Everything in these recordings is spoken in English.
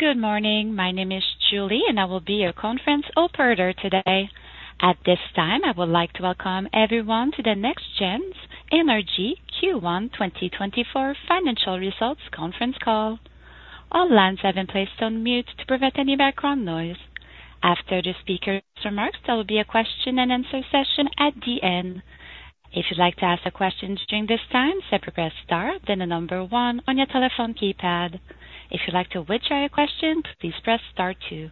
Good morning. My name is Julie, and I will be your conference operator today. At this time, I would like to welcome everyone to the NexGen Energy Q1 2024 financial results conference call. All lines have been placed on mute to prevent any background noise. After the speaker's remarks, there will be a question and answer session at the end. If you'd like to ask a question during this time, simply press Star, then the number one on your telephone keypad. If you'd like to withdraw your question, please press star two.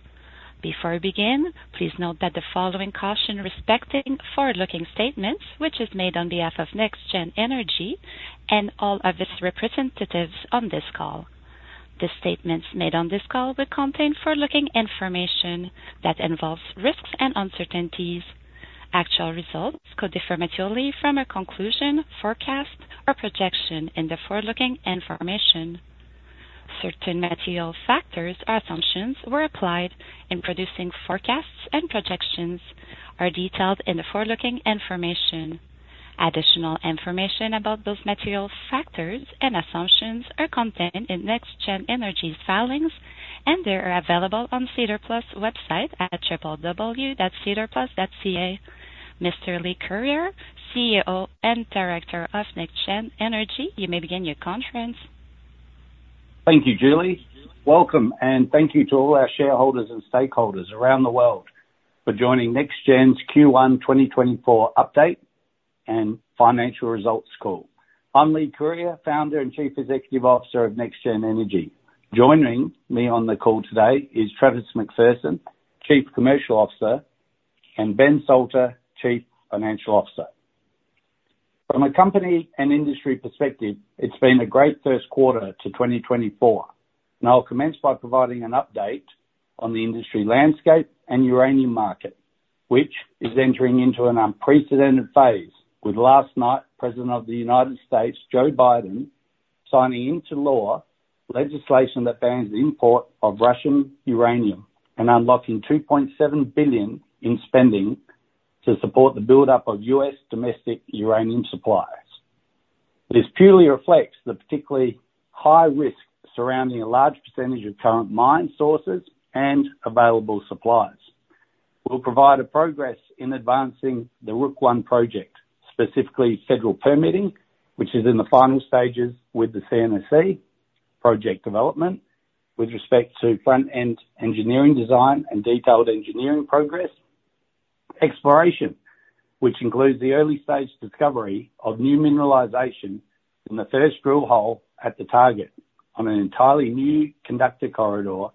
Before we begin, please note that the following caution respecting forward-looking statements, which is made on behalf of NexGen Energy and all of its representatives on this call. The statements made on this call will contain forward-looking information that involves risks and uncertainties. Actual results could differ materially from a conclusion, forecast, or projection in the forward-looking information. Certain material factors or assumptions were applied in producing forecasts and projections, are detailed in the forward-looking information. Additional information about those material factors and assumptions are contained in NexGen Energy's filings, and they are available on the SEDAR+ website at www.sedarplus.ca. Mr. Leigh Curyer, CEO and Director of NexGen Energy, you may begin your conference. Thank you, Julie. Welcome, and thank you to all our shareholders and stakeholders around the world for joining NexGen's Q1 2024 update and financial results call. I'm Leigh Curyer, Founder and Chief Executive Officer of NexGen Energy. Joining me on the call today is Travis McPherson, Chief Commercial Officer, and Benjamin Salter, Chief Financial Officer. From a company and industry perspective, it's been a great first quarter to 2024, and I'll commence by providing an update on the industry landscape and uranium market, which is entering into an unprecedented phase, with last night, President of the United States, Joe Biden, signing into law legislation that bans the import of Russian uranium and unlocking $2.7 billion in spending to support the buildup of U.S. domestic uranium suppliers. This purely reflects the particularly high risk surrounding a large percentage of current mine sources and available suppliers. We'll provide a progress in advancing the Rook I project, specifically federal permitting, which is in the final stages with the CNSC project development, with respect to front-end engineering design and detailed engineering progress. Exploration, which includes the early stage discovery of new mineralization in the first drill hole at the target on an entirely new conductor corridor,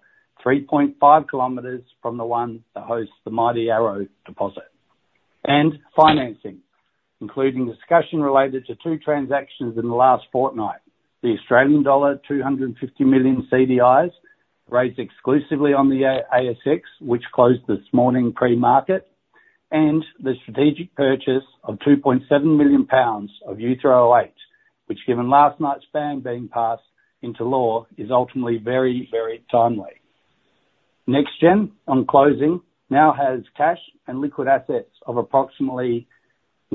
3.5 kilometers from the one that hosts the Arrow deposit. And financing, including discussion related to two transactions in the last fortnight. Australian dollar 250 million CDIs, raised exclusively on the ASX, which closed this morning pre-market, and the strategic purchase of 2.7 million pounds of U3O8, which, given last night's ban being passed into law, is ultimately very, very timely. NexGen, on closing, now has cash and liquid assets of approximately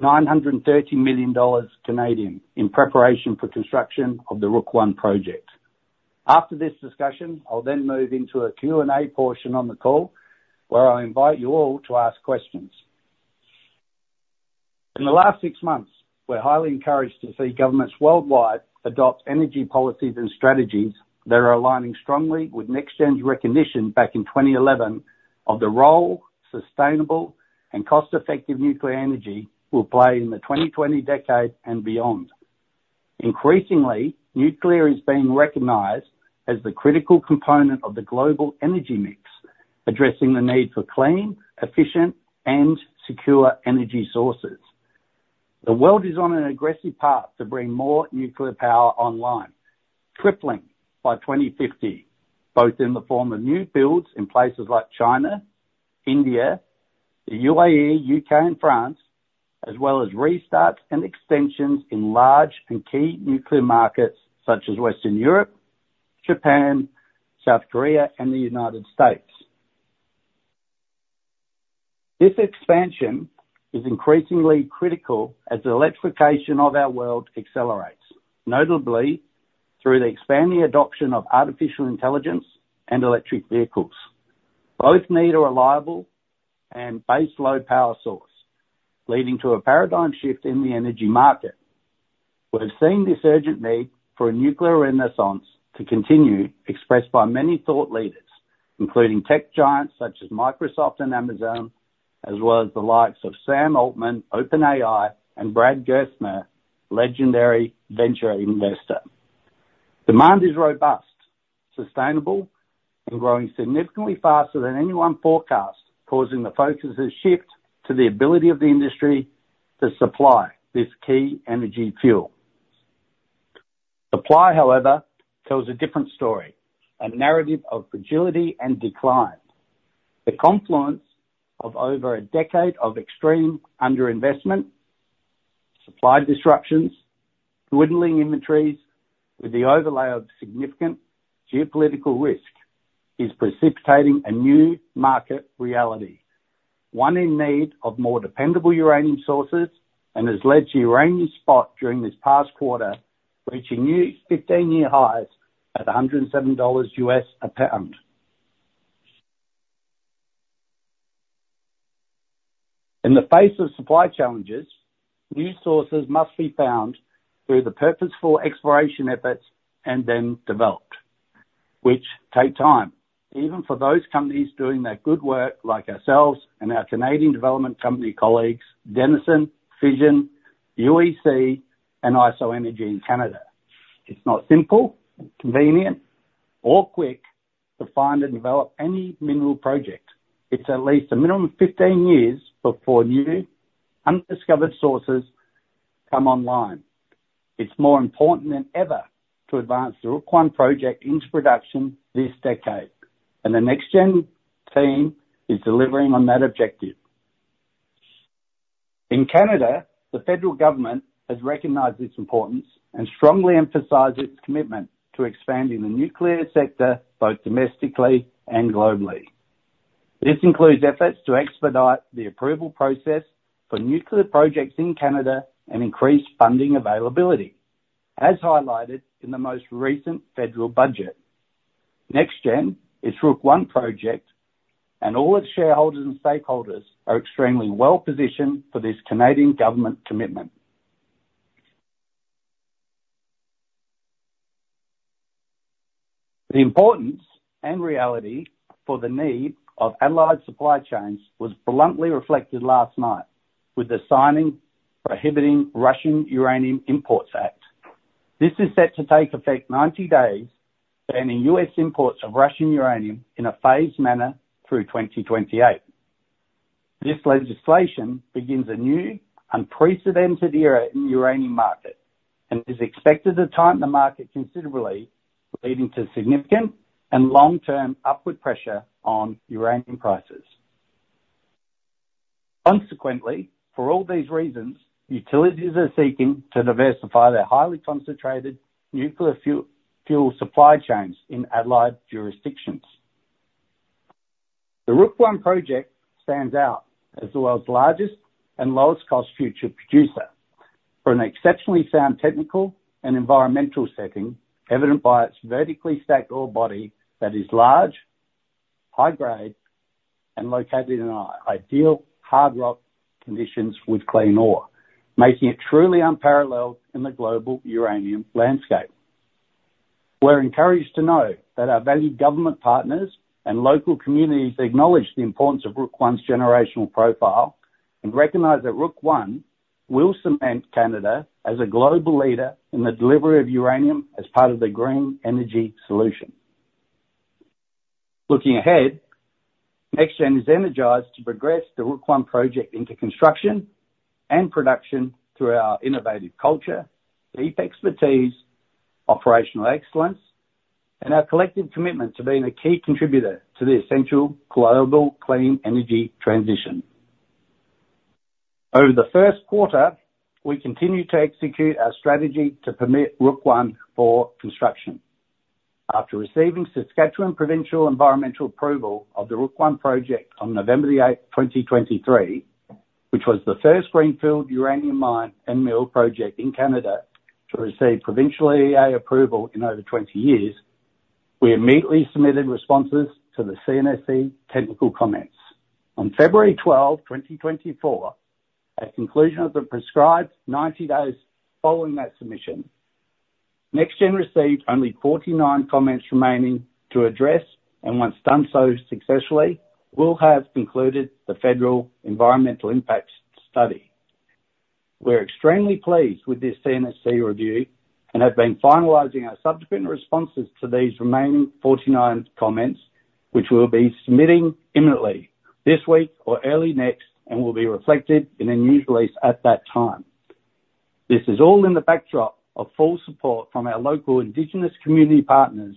930 million Canadian dollars in preparation for construction of the Rook I project. After this discussion, I'll then move into a Q&A portion on the call, where I invite you all to ask questions. In the last six months, we're highly encouraged to see governments worldwide adopt energy policies and strategies that are aligning strongly with NexGen's recognition back in 2011 of the role sustainable and cost-effective nuclear energy will play in the 2020 decade and beyond. Increasingly, nuclear is being recognized as the critical component of the global energy mix, addressing the need for clean, efficient, and secure energy sources. The world is on an aggressive path to bring more nuclear power online, tripling by 2050, both in the form of new builds in places like China, India, the UAE, U.K., and France, as well as restarts and extensions in large and key nuclear markets such as Western Europe, Japan, South Korea, and the United States. This expansion is increasingly critical as the electrification of our world accelerates, notably through the expanding adoption of artificial intelligence and electric vehicles. Both need a reliable and base load power source, leading to a paradigm shift in the energy market. We're seeing this urgent need for a nuclear renaissance to continue, expressed by many thought leaders, including tech giants such as Microsoft and Amazon, as well as the likes of Sam Altman, OpenAI, and Brad Gerstner, legendary venture investor. Demand is robust, sustainable, and growing significantly faster than anyone forecast, causing the focus to shift to the ability of the industry to supply this key energy fuel. Supply, however, tells a different story, a narrative of fragility and decline. The confluence of over a decade of extreme underinvestment, supply disruptions, dwindling inventories with the overlay of significant geopolitical risk, is precipitating a new market reality... one in need of more dependable uranium sources and has led to uranium spot during this past quarter, reaching new 15-year highs at $107 a pound. In the face of supply challenges, new sources must be found through the purposeful exploration efforts and then developed, which take time, even for those companies doing their good work, like ourselves and our Canadian development company colleagues, Denison, Fission, UEC, and IsoEnergy in Canada. It's not simple, convenient, or quick to find and develop any mineral project. It's at least a minimum of 15 years before new, undiscovered sources come online. It's more important than ever to advance the Rook I project into production this decade, and the NexGen team is delivering on that objective. In Canada, the federal government has recognized its importance and strongly emphasized its commitment to expanding the nuclear sector, both domestically and globally. This includes efforts to expedite the approval process for nuclear projects in Canada and increase funding availability, as highlighted in the most recent federal budget. NexGen, its Rook I project, and all its shareholders and stakeholders are extremely well-positioned for this Canadian government commitment. The importance and reality for the need of allied supply chains was bluntly reflected last night with the signing Prohibiting Russian Uranium Imports Act. This is set to take effect 90 days, banning U.S. imports of Russian uranium in a phased manner through 2028. This legislation begins a new, unprecedented era in the uranium market and is expected to tighten the market considerably, leading to significant and long-term upward pressure on uranium prices. Consequently, for all these reasons, utilities are seeking to diversify their highly concentrated nuclear fuel supply chains in allied jurisdictions. The Rook I project stands out as the world's largest and lowest-cost future producer for an exceptionally sound, technical, and environmental setting, evident by its vertically stacked ore body that is large, high grade, and located in ideal hard rock conditions with clean ore, making it truly unparalleled in the global uranium landscape. We're encouraged to know that our valued government partners and local communities acknowledge the importance of Rook I's generational profile and recognize that Rook I will cement Canada as a global leader in the delivery of uranium as part of the green energy solution. Looking ahead, NexGen is energized to progress the Rook I project into construction and production through our innovative culture, deep expertise, operational excellence, and our collective commitment to being a key contributor to the essential global clean energy transition. Over the first quarter, we continued to execute our strategy to permit Rook I for construction. After receiving Saskatchewan provincial environmental approval of the Rook I project on November 8, 2023, which was the first greenfield uranium mine and mill project in Canada to receive provincial EA approval in over 20 years, we immediately submitted responses to the CNSC technical comments. On February 12, 2024, at conclusion of the prescribed 90 days following that submission, NexGen received only 49 comments remaining to address, and once done so successfully, will have concluded the Federal Environmental Impact Statement. We're extremely pleased with this CNSC review and have been finalizing our subsequent responses to these remaining 49 comments, which we'll be submitting imminently this week or early next, and will be reflected in a news release at that time. This is all in the backdrop of full support from our local indigenous community partners,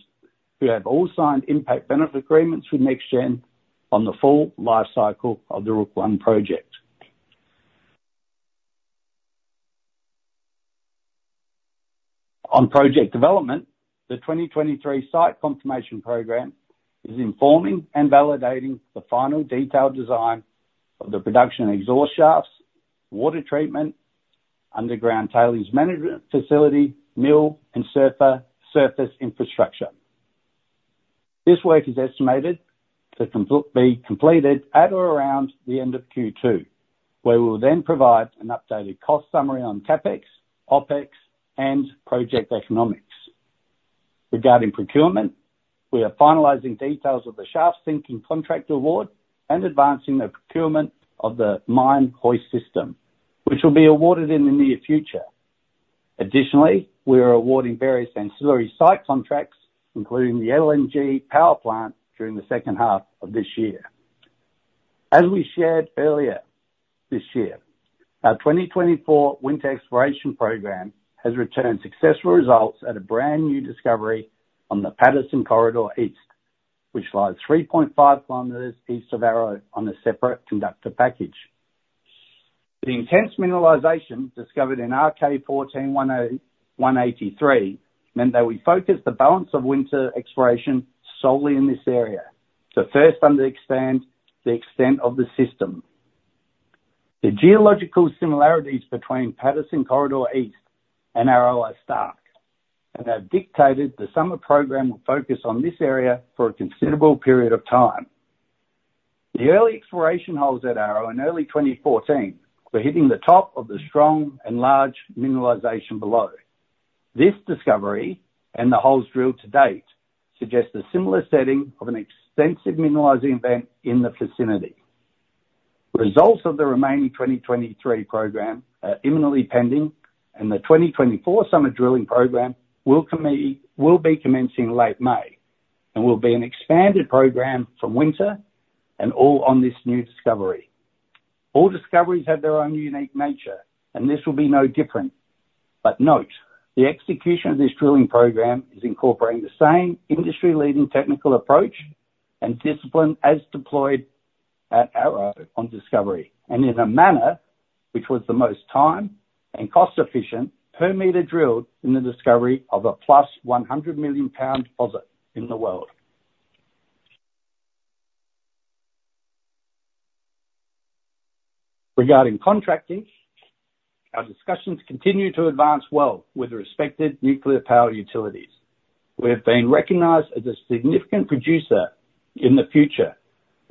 who have all signed impact benefit agreements with NexGen on the full life cycle of the Rook I project. On project development, the 2023 site confirmation program is informing and validating the final detailed design of the production exhaust shafts, water treatment, underground tailings management facility, mill, and surface infrastructure. This work is estimated to be completed at or around the end of Q2, where we will then provide an updated cost summary on CapEx, OpEx, and project economics. Regarding procurement, we are finalizing details of the shaft sinking contract award and advancing the procurement of the mine hoist system, which will be awarded in the near future. Additionally, we are awarding various ancillary site contracts, including the LNG power plant, during the second half of this year. As we shared earlier this year, our 2024 winter exploration program has returned successful results at a brand-new discovery on the Patterson Corridor East, which lies 3.5 km east of Arrow on a separate conductor package. The intense mineralization discovered in RK-14-10183 meant that we focused the balance of winter exploration solely in this area to first understand the extent of the system. The geological similarities between Patterson Corridor East and Arrow are stark, and have dictated the summer program will focus on this area for a considerable period of time. The early exploration holes at Arrow in early 2014 were hitting the top of the strong and large mineralization below. This discovery, and the holes drilled to date, suggest a similar setting of an extensive mineralizing event in the vicinity. Results of the remaining 2023 program are imminently pending, and the 2024 summer drilling program will be commencing late May, and will be an expanded program from winter and all on this new discovery. All discoveries have their own unique nature, and this will be no different. But note, the execution of this drilling program is incorporating the same industry-leading technical approach and discipline as deployed at Arrow on discovery, and in a manner which was the most time and cost efficient per meter drilled in the discovery of a plus 100 million pound deposit in the world. Regarding contracting, our discussions continue to advance well with the respected nuclear power utilities. We have been recognized as a significant producer in the future,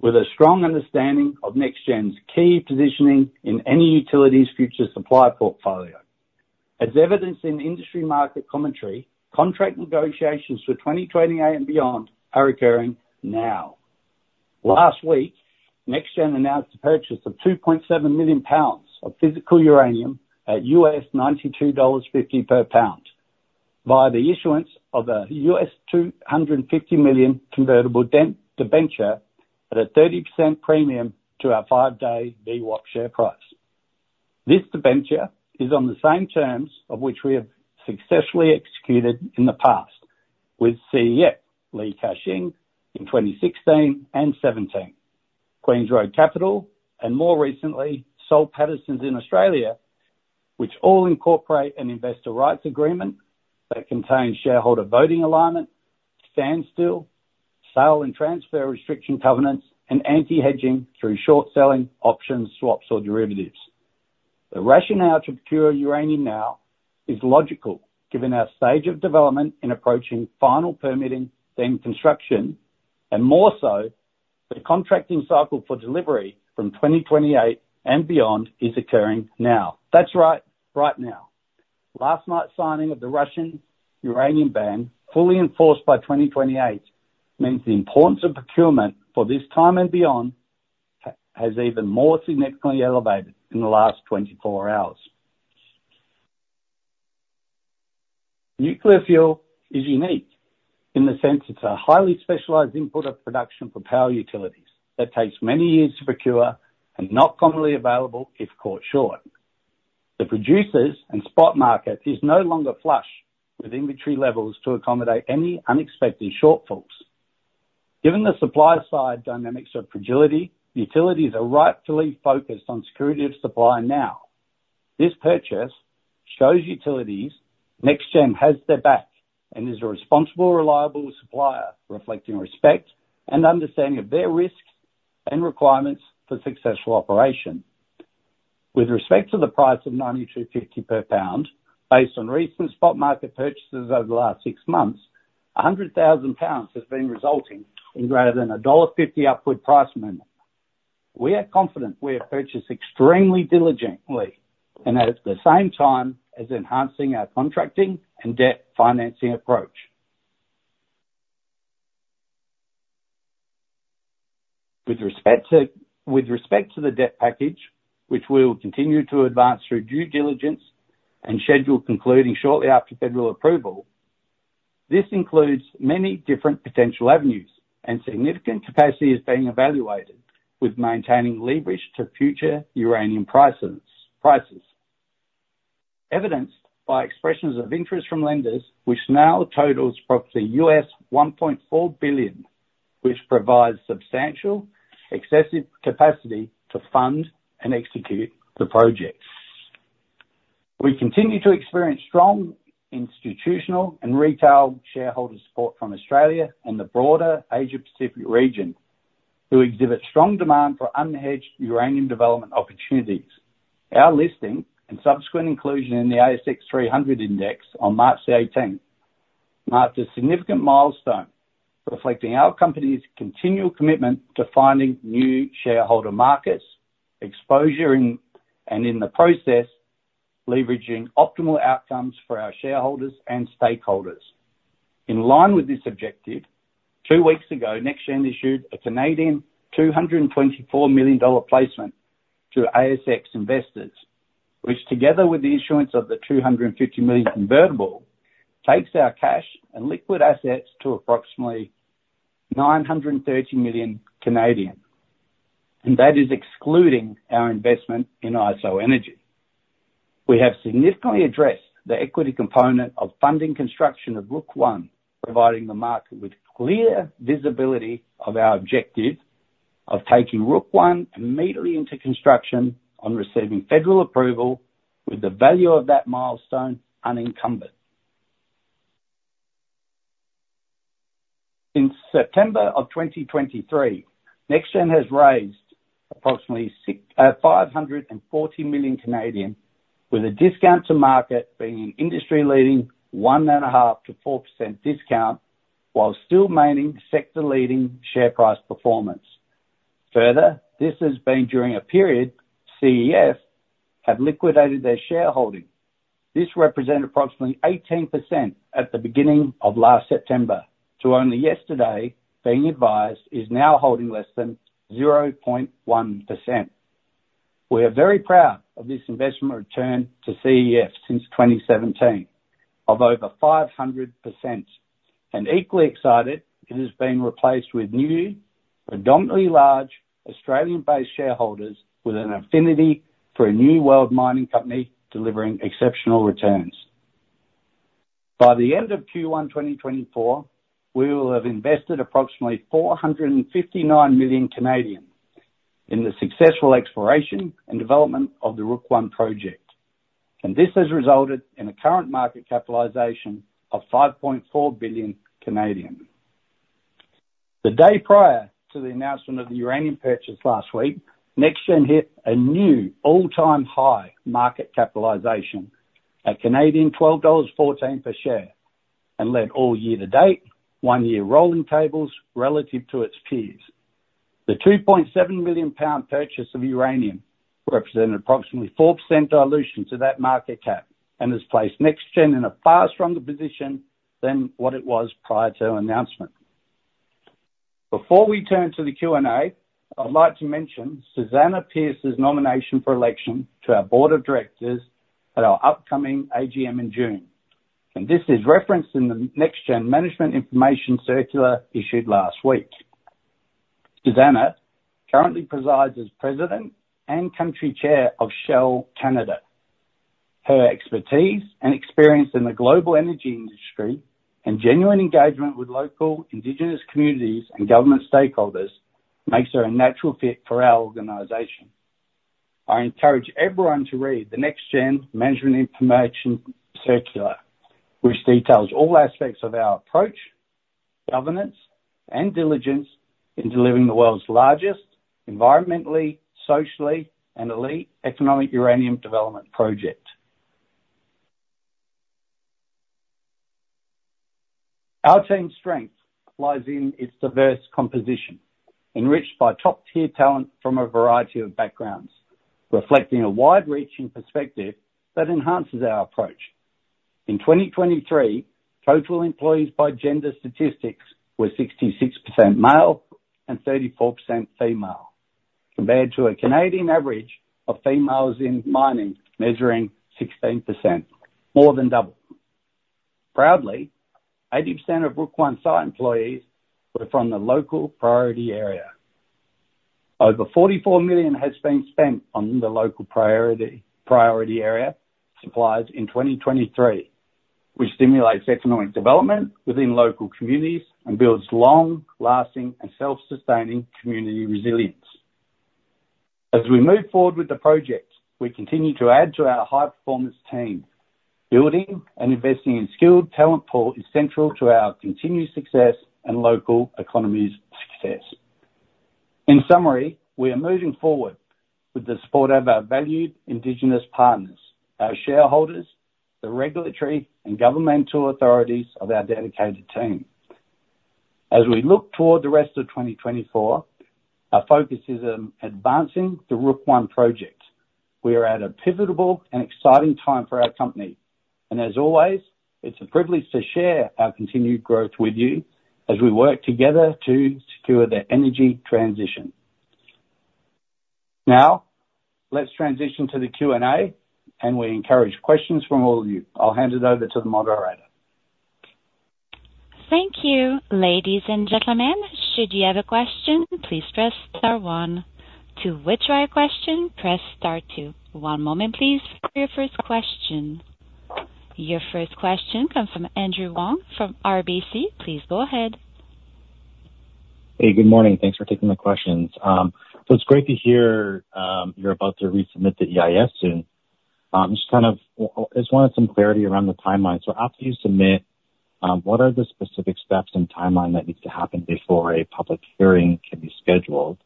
with a strong understanding of NexGen's key positioning in any utility's future supply portfolio. As evidenced in industry market commentary, contract negotiations for 2028 and beyond are occurring now. Last week, NexGen announced the purchase of 2.7 million pounds of physical uranium at $92.50 per pound, via the issuance of a $250 million convertible debenture at a 30% premium to our 5-day VWAP share price. This debenture is on the same terms of which we have successfully executed in the past with CEF, Li Ka-shing in 2016 and 2017, Queen's Road Capital, and more recently, Washington H. Soul Pattinson in Australia, which all incorporate an investor rights agreement that contains shareholder voting alignment, standstill, sale and transfer restriction covenants, and anti-hedging through short selling, options, swaps or derivatives. The rationale to procure uranium now is logical, given our stage of development in approaching final permitting, then construction, and more so, the contracting cycle for delivery from 2028 and beyond is occurring now. That's right, right now. Last night's signing of the Russian uranium ban, fully enforced by 2028, means the importance of procurement for this time and beyond has even more significantly elevated in the last 24 hours. Nuclear fuel is unique in the sense it's a highly specialized input of production for power utilities that takes many years to procure and not commonly available if caught short. The producers and spot market is no longer flush with inventory levels to accommodate any unexpected shortfalls. Given the supply side dynamics of fragility, utilities are rightfully focused on security of supply now. This purchase shows utilities NexGen has their back and is a responsible, reliable supplier, reflecting respect and understanding of their risks and requirements for successful operation. With respect to the price of $92.50 per pound, based on recent spot market purchases over the last six months, 100,000 pounds has been resulting in greater than $1.50 upward price movement. We are confident we have purchased extremely diligently, and at the same time as enhancing our contracting and debt financing approach. With respect to, with respect to the debt package, which we will continue to advance through due diligence and schedule concluding shortly after federal approval, this includes many different potential avenues, and significant capacity is being evaluated with maintaining leverage to future uranium prices, prices. Evidenced by expressions of interest from lenders, which now totals approximately $1.4 billion, which provides substantial excessive capacity to fund and execute the projects. We continue to experience strong institutional and retail shareholder support from Australia and the broader Asia Pacific region, who exhibit strong demand for unhedged uranium development opportunities. Our listing and subsequent inclusion in the ASX 300 index on March the eighteenth marked a significant milestone, reflecting our company's continual commitment to finding new shareholder markets, exposure in and in the process, leveraging optimal outcomes for our shareholders and stakeholders. In line with this objective, two weeks ago, NexGen issued a 224 million Canadian dollars placement to ASX investors, which together with the issuance of the 250 million convertible, takes our cash and liquid assets to approximately 930 million Canadian dollars Canadian, and that is excluding our investment in IsoEnergy. We have significantly addressed the equity component of funding construction of Rook I, providing the market with clear visibility of our objective of taking Rook I immediately into construction on receiving federal approval, with the value of that milestone unencumbered. Since September of 2023, NexGen has raised approximately 650 million Canadian, with a discount to market being an industry-leading 1.5%-4% discount, while still maintaining sector-leading share price performance. Further, this has been during a period CEF have liquidated their shareholding. This represents approximately 18% at the beginning of last September to only yesterday, being advised, is now holding less than 0.1%. We are very proud of this investment return to CEF since 2017 of over 500%, and equally excited it is being replaced with new, predominantly large Australian-based shareholders, with an affinity for a new world mining company delivering exceptional returns. By the end of Q1 2024, we will have invested approximately 459 million in the successful exploration and development of the Rook I project, and this has resulted in a current market capitalization of 5.4 billion. The day prior to the announcement of the uranium purchase last week, NexGen hit a new all-time high market capitalization at 12.14 Canadian dollars per share, and led all year to date, one-year rolling tables relative to its peers. The 2.7 million pound purchase of uranium represented approximately 4% dilution to that market cap, and has placed NexGen in a far stronger position than what it was prior to announcement. Before we turn to the Q&A, I'd like to mention Susannah Pierce's nomination for election to our board of directors at our upcoming AGM in June, and this is referenced in the NexGen Management Information Circular issued last week. Susannah currently presides as President and Country Chair of Shell Canada. Her expertise and experience in the global energy industry, and genuine engagement with local indigenous communities and government stakeholders, makes her a natural fit for our organization. I encourage everyone to read the NexGen Management Information Circular, which details all aspects of our approach, governance, and diligence in delivering the world's largest environmentally, socially, and elite economic uranium development project. Our team's strength lies in its diverse composition, enriched by top-tier talent from a variety of backgrounds, reflecting a wide-reaching perspective that enhances our approach. In 2023, total employees by gender statistics were 66% male and 34% female, compared to a Canadian average of females in mining, measuring 16%, more than double. Proudly, 80% of Rook I site employees were from the local priority area. Over 44 million has been spent on the local priority area suppliers in 2023, which stimulates economic development within local communities and builds long-lasting and self-sustaining community resilience. As we move forward with the project, we continue to add to our high-performance team. Building and investing in skilled talent pool is central to our continued success and local economy's success. In summary, we are moving forward with the support of our valued indigenous partners, our shareholders, the regulatory and governmental authorities of our dedicated team. As we look toward the rest of 2024, our focus is on advancing the Rook I project. We are at a pivotal and exciting time for our company, and as always, it's a privilege to share our continued growth with you as we work together to secure the energy transition. Now, let's transition to the Q&A, and we encourage questions from all of you. I'll hand it over to the moderator. Thank you, ladies and gentlemen. Should you have a question, please press star one. To withdraw your question, press star two. One moment please, for your first question. Your first question comes from Andrew Wong from RBC. Please go ahead. Hey, good morning. Thanks for taking my questions. So it's great to hear you're about to resubmit the EIS soon. I just wanted some clarity around the timeline. So after you submit, what are the specific steps and timeline that needs to happen before a public hearing can be scheduled?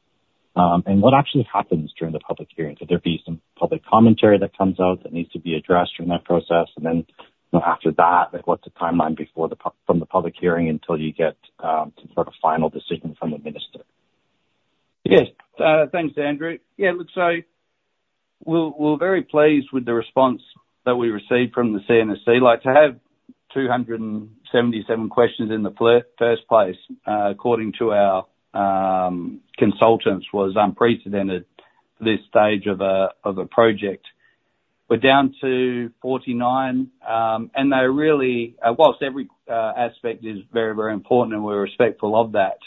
And what actually happens during the public hearing? So there'd be some public commentary that comes out that needs to be addressed during that process. And then, you know, after that, like, what's the timeline from the public hearing until you get to sort of final decision from the minister? Yes. Thanks, Andrew. Yeah, look, so we're, we're very pleased with the response that we received from the CNSC. Like, to have 277 questions in the first place, according to our consultants, was unprecedented for this stage of a, of a project. We're down to 49, and they really, whilst every aspect is very, very important and we're respectful of that,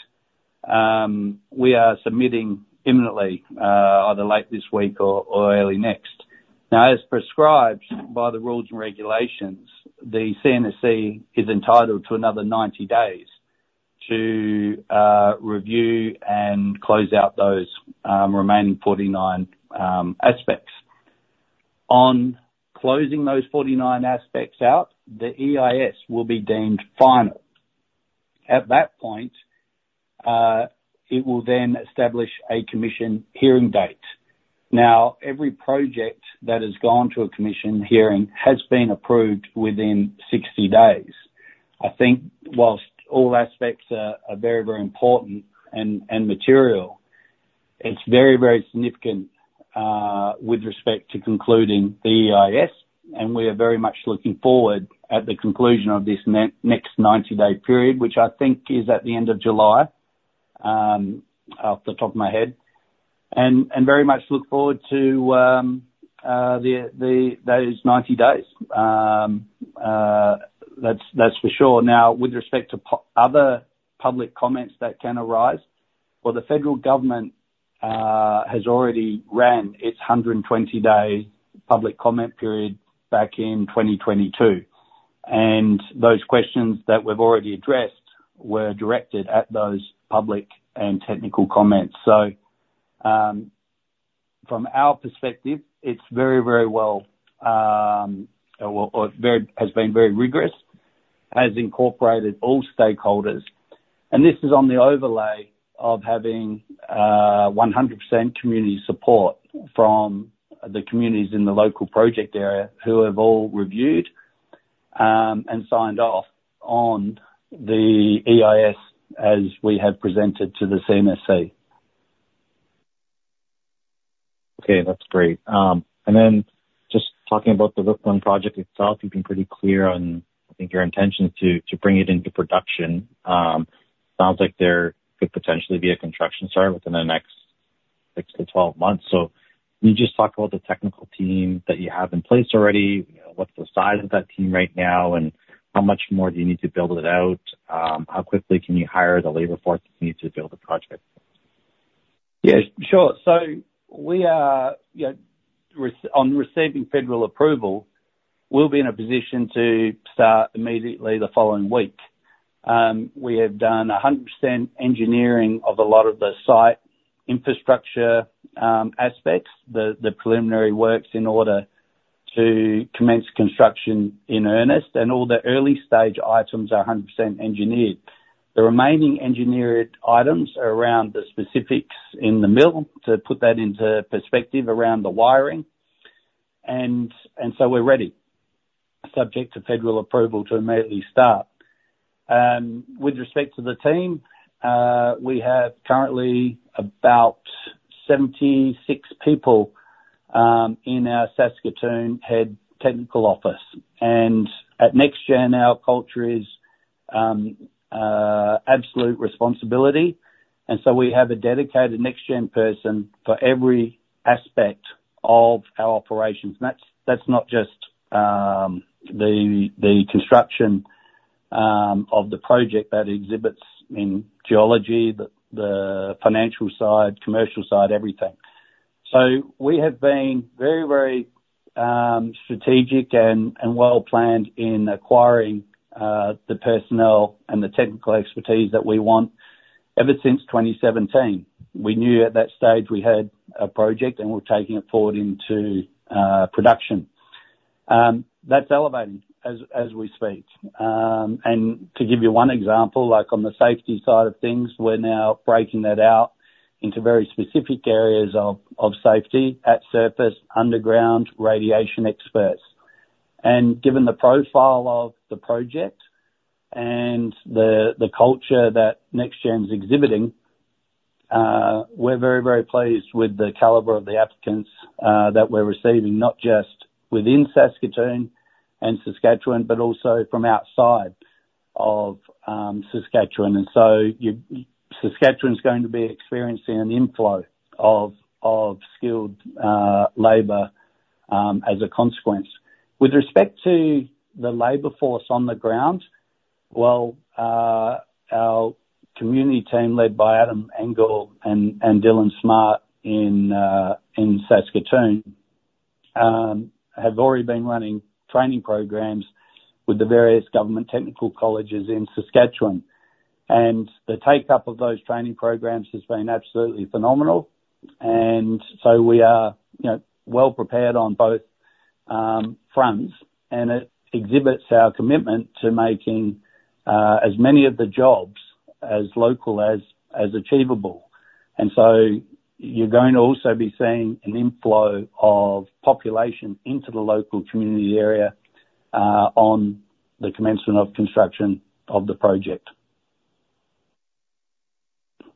we are submitting imminently, either late this week or early next. Now, as prescribed by the rules and regulations, the CNSC is entitled to another 90 days to review and close out those remaining 49 aspects. On closing those 49 aspects out, the EIS will be deemed final. At that point, it will then establish a commission hearing date. Now, every project that has gone to a commission hearing has been approved within 60 days. I think while all aspects are very, very important and material, it's very, very significant with respect to concluding the EIS, and we are very much looking forward at the conclusion of this next 90-day period, which I think is at the end of July, off the top of my head, and very much look forward to those 90 days. That's for sure. Now, with respect to other public comments that can arise, well, the federal government has already ran its 120-day public comment period back in 2022, and those questions that we've already addressed were directed at those public and technical comments. So, from our perspective, it has been very rigorous, has incorporated all stakeholders, and this is on the overlay of having 100% community support from the communities in the local project area who have all reviewed and signed off on the EIS as we have presented to the CNSC. Okay, that's great. And then just talking about the Rook I project itself, you've been pretty clear on, I think, your intention to, to bring it into production. Sounds like there could potentially be a construction start within the next 6-12 months. So can you just talk about the technical team that you have in place already? You know, what's the size of that team right now, and how much more do you need to build it out? How quickly can you hire the labor force you need to build the project? Yeah, sure. So we are, you know, on receiving federal approval, we'll be in a position to start immediately the following week. We have done 100% engineering of a lot of the site infrastructure aspects, the preliminary works in order to commence construction in earnest, and all the early stage items are 100% engineered. The remaining engineered items are around the specifics in the mill, to put that into perspective, around the wiring, and so we're ready, subject to federal approval, to immediately start. With respect to the team, we have currently about 76 people in our Saskatoon head technical office. And at NexGen, our culture is absolute responsibility, and so we have a dedicated NexGen person for every aspect of our operations. That's not just the construction of the project that exhibits in geology, the financial side, commercial side, everything. So we have been very, very strategic and well-planned in acquiring the personnel and the technical expertise that we want ever since 2017. We knew at that stage we had a project and we're taking it forward into production. That's elevating as we speak. And to give you one example, like on the safety side of things, we're now breaking that out into very specific areas of safety: at surface, underground, radiation experts. Given the profile of the project and the culture that NexGen's exhibiting, we're very, very pleased with the caliber of the applicants that we're receiving, not just within Saskatoon and Saskatchewan, but also from outside of Saskatchewan. And so Saskatchewan's going to be experiencing an inflow of skilled labor as a consequence. With respect to the labor force on the ground, well, our community team, led by Adam Engdahl and Dylan Smart in Saskatoon, have already been running training programs with the various government technical colleges in Saskatchewan, and the take-up of those training programs has been absolutely phenomenal, and so we are, you know, well prepared on both fronts, and it exhibits our commitment to making as many of the jobs as local as achievable. And so you're going to also be seeing an inflow of population into the local community area on the commencement of construction of the project.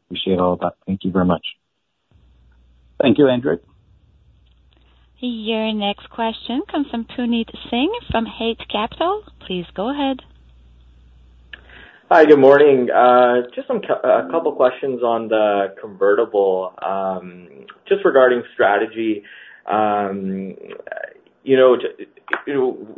Appreciate all that. Thank you very much. Thank you, Andrew. Your next question comes from Puneet Singh, from Eight Capital. Please go ahead. Hi, good morning. Just a couple questions on the convertible. Just regarding strategy, you know,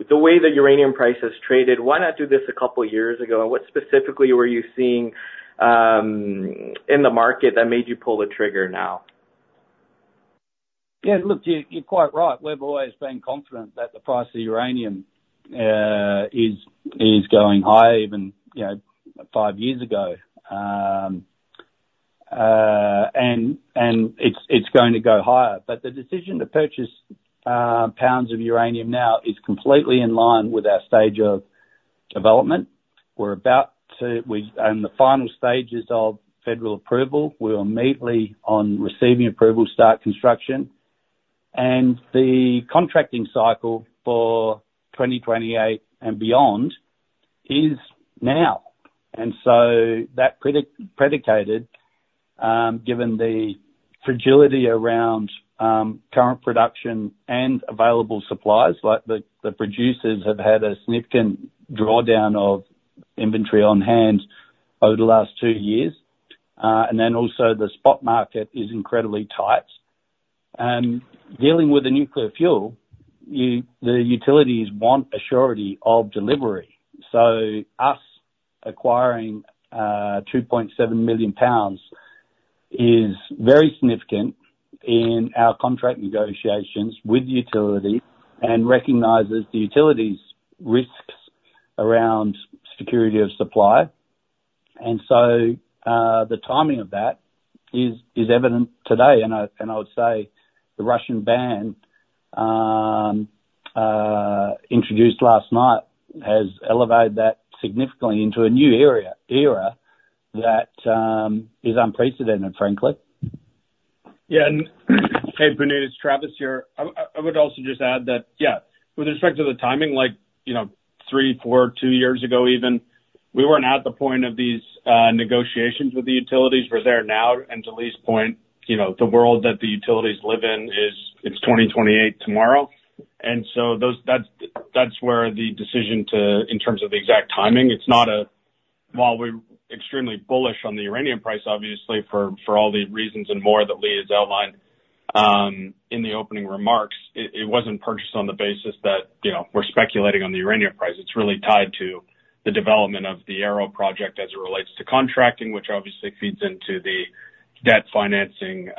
the way the uranium price has traded, why not do this a couple years ago? And what specifically were you seeing in the market that made you pull the trigger now? Yeah, look, you're quite right. We've always been confident that the price of uranium is going high even, you know, 5 years ago. And it's going to go higher. But the decision to purchase pounds of uranium now is completely in line with our stage of development. We're in the final stages of federal approval. We are immediately on receiving approval to start construction, and the contracting cycle for 2028 and beyond is now. And so that's predicated given the fragility around current production and available supplies, like, the producers have had a significant drawdown of inventory on hand over the last 2 years. And then also the spot market is incredibly tight. And dealing with the nuclear fuel, you- the utilities want assurance of delivery. So us acquiring 2.7 million pounds is very significant in our contract negotiations with utility and recognizes the utilities' risks around security of supply. And so, the timing of that is evident today. And I would say the Russian ban introduced last night has elevated that significantly into a new era that is unprecedented, frankly. Yeah. And hey, Puneet, it's Travis here. I would also just add that, yeah, with respect to the timing, like, you know, 3, 4, 2 years ago even, we weren't at the point of these negotiations with the utilities. We're there now, and to Lee's point, you know, the world that the utilities live in is, it's 2028 tomorrow. And so those, that's where the decision to... In terms of the exact timing, it's not a-- while we're extremely bullish on the uranium price, obviously, for all the reasons and more that Lee has outlined, in the opening remarks, it wasn't purchased on the basis that, you know, we're speculating on the uranium price. It's really tied to the development of the Arrow project as it relates to contracting, which obviously feeds into the debt financing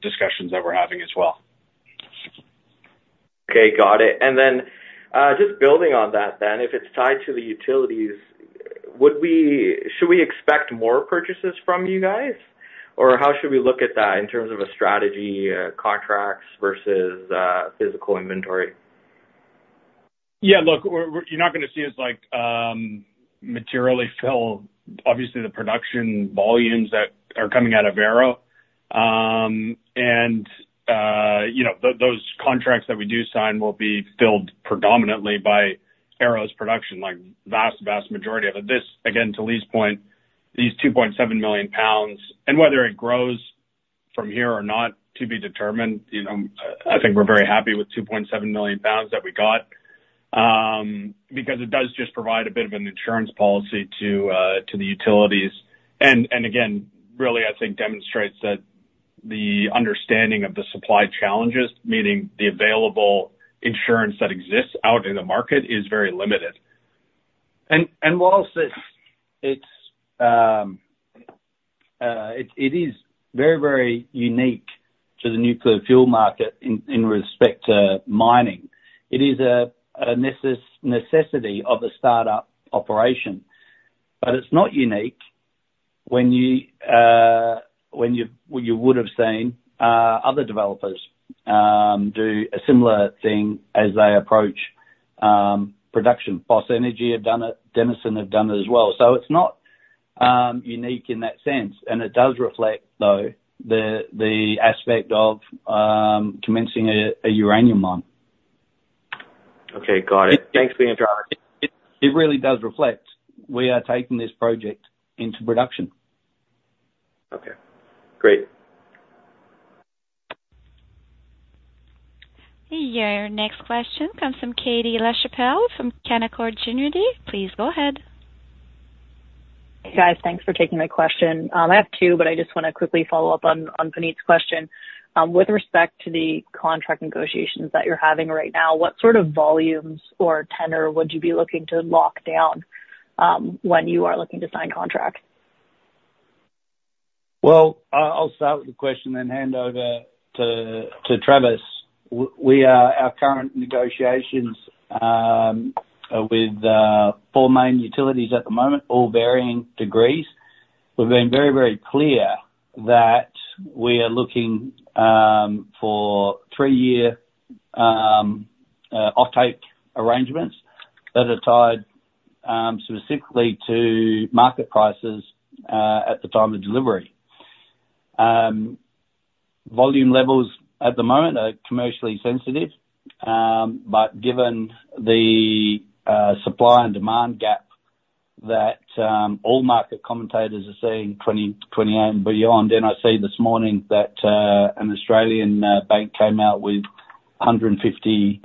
discussions that we're having as well. Okay, got it. And then, just building on that then, if it's tied to the utilities, would we should we expect more purchases from you guys? Or how should we look at that in terms of a strategy, contracts versus physical inventory? Yeah, look, we're – you're not gonna see us like materially fill, obviously, the production volumes that are coming out of Arrow. And those contracts that we do sign will be filled predominantly by Arrow's production. Like, vast, vast majority of it. This, again, to Lee's point, these 2.7 million pounds, and whether it grows from here or not, to be determined, you know. I think we're very happy with 2.7 million pounds that we got because it does just provide a bit of an insurance policy to the utilities. And again, really, I think demonstrates that the understanding of the supply challenges, meaning the available insurance that exists out in the market, is very limited. And whilst it is very, very unique to the nuclear fuel market in respect to mining. It is a necessity of a startup operation, but it's not unique when you would have seen other developers do a similar thing as they approach production. Boss Energy have done it, Denison have done it as well. So it's not unique in that sense, and it does reflect, though, the aspect of commencing a uranium mine. Okay, got it. Thanks for the intro. It really does reflect we are taking this project into production. Okay, great. Your next question comes from Katie Lachapelle from Canaccord Genuity. Please go ahead. Guys, thanks for taking my question. I have two, but I just wanna quickly follow up on, on Puneet's question. With respect to the contract negotiations that you're having right now, what sort of volumes or tenor would you be looking to lock down, when you are looking to sign contracts? Well, I'll start with the question then hand over to Travis. Our current negotiations with four main utilities at the moment, all varying degrees. We've been very, very clear that we are looking for 3-year offtake arrangements that are tied specifically to market prices at the time of delivery. Volume levels at the moment are commercially sensitive, but given the supply and demand gap that all market commentators are seeing 2028 and beyond, and I see this morning that an Australian bank came out with $150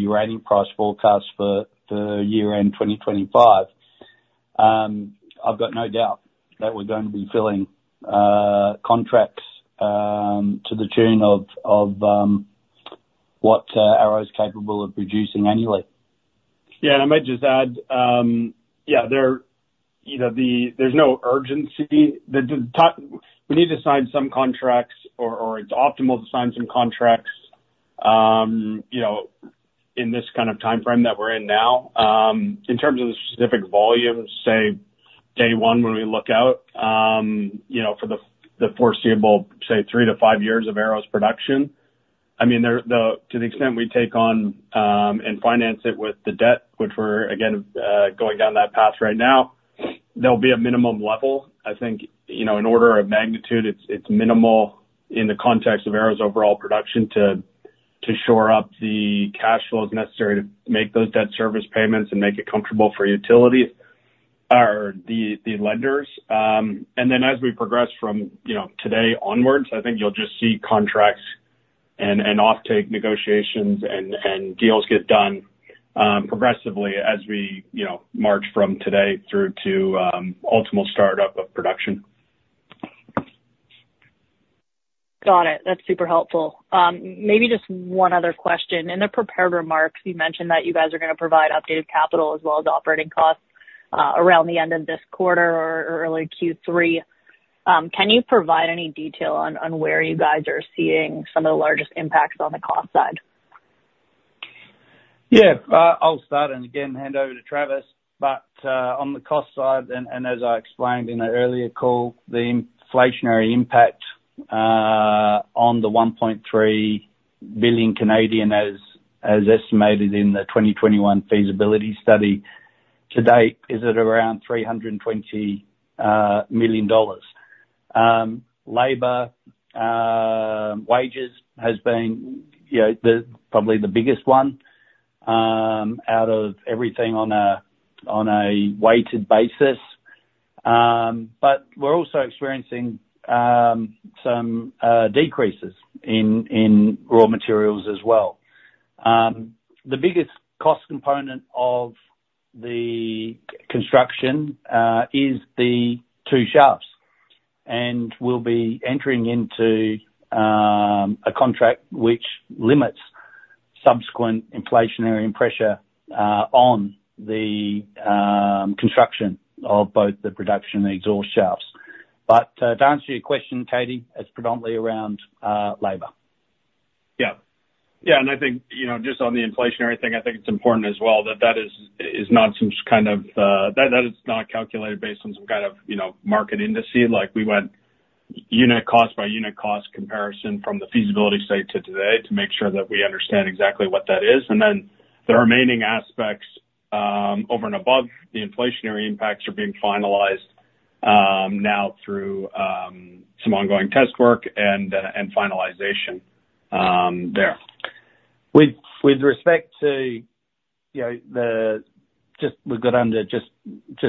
uranium price forecast for the year-end 2025. I've got no doubt that we're going to be filling contracts to the tune of what Arrow's capable of producing annually. Yeah, and I might just add, yeah, there, you know, there's no urgency. The time we need to sign some contracts or, or it's optimal to sign some contracts, you know, in this kind of timeframe that we're in now. In terms of the specific volume, say, day one, when we look out, you know, for the foreseeable, say, 3-5 years of Arrow's production, I mean, there, to the extent we take on and finance it with the debt, which we're again going down that path right now, there'll be a minimum level. I think, you know, in order of magnitude, it's minimal in the context of Arrow's overall production to shore up the cash flows necessary to make those debt service payments and make it comfortable for utilities or the lenders. And then, as we progress from, you know, today onwards, I think you'll just see contracts and offtake negotiations and deals get done, progressively as we, you know, march from today through to ultimate startup of production. Got it. That's super helpful. Maybe just one other question. In the prepared remarks, you mentioned that you guys are gonna provide updated capital as well as operating costs around the end of this quarter or early Q3. Can you provide any detail on where you guys are seeing some of the largest impacts on the cost side? Yeah. I'll start, and again, hand over to Travis. But on the cost side, and as I explained in an earlier call, the inflationary impact on the 1.3 billion, as estimated in the 2021 feasibility study to date, is at around 320 million dollars. Labor wages has been, you know, the probably the biggest one out of everything on a weighted basis. But we're also experiencing some decreases in raw materials as well. The biggest cost component of the construction is the 2 shafts, and we'll be entering into a contract which limits subsequent inflationary pressure on the construction of both the production and the exhaust shafts. But to answer your question, Katie, it's predominantly around labor. Yeah. Yeah, and I think, you know, just on the inflationary thing, I think it's important as well that that is not some kind of. That is not calculated based on some kind of, you know, market indices. Like, we went unit cost by unit cost comparison from the feasibility study to today to make sure that we understand exactly what that is. And then the remaining aspects over and above the inflationary impacts are being finalized now through some ongoing test work and finalization there. With respect to, you know, the, we've got just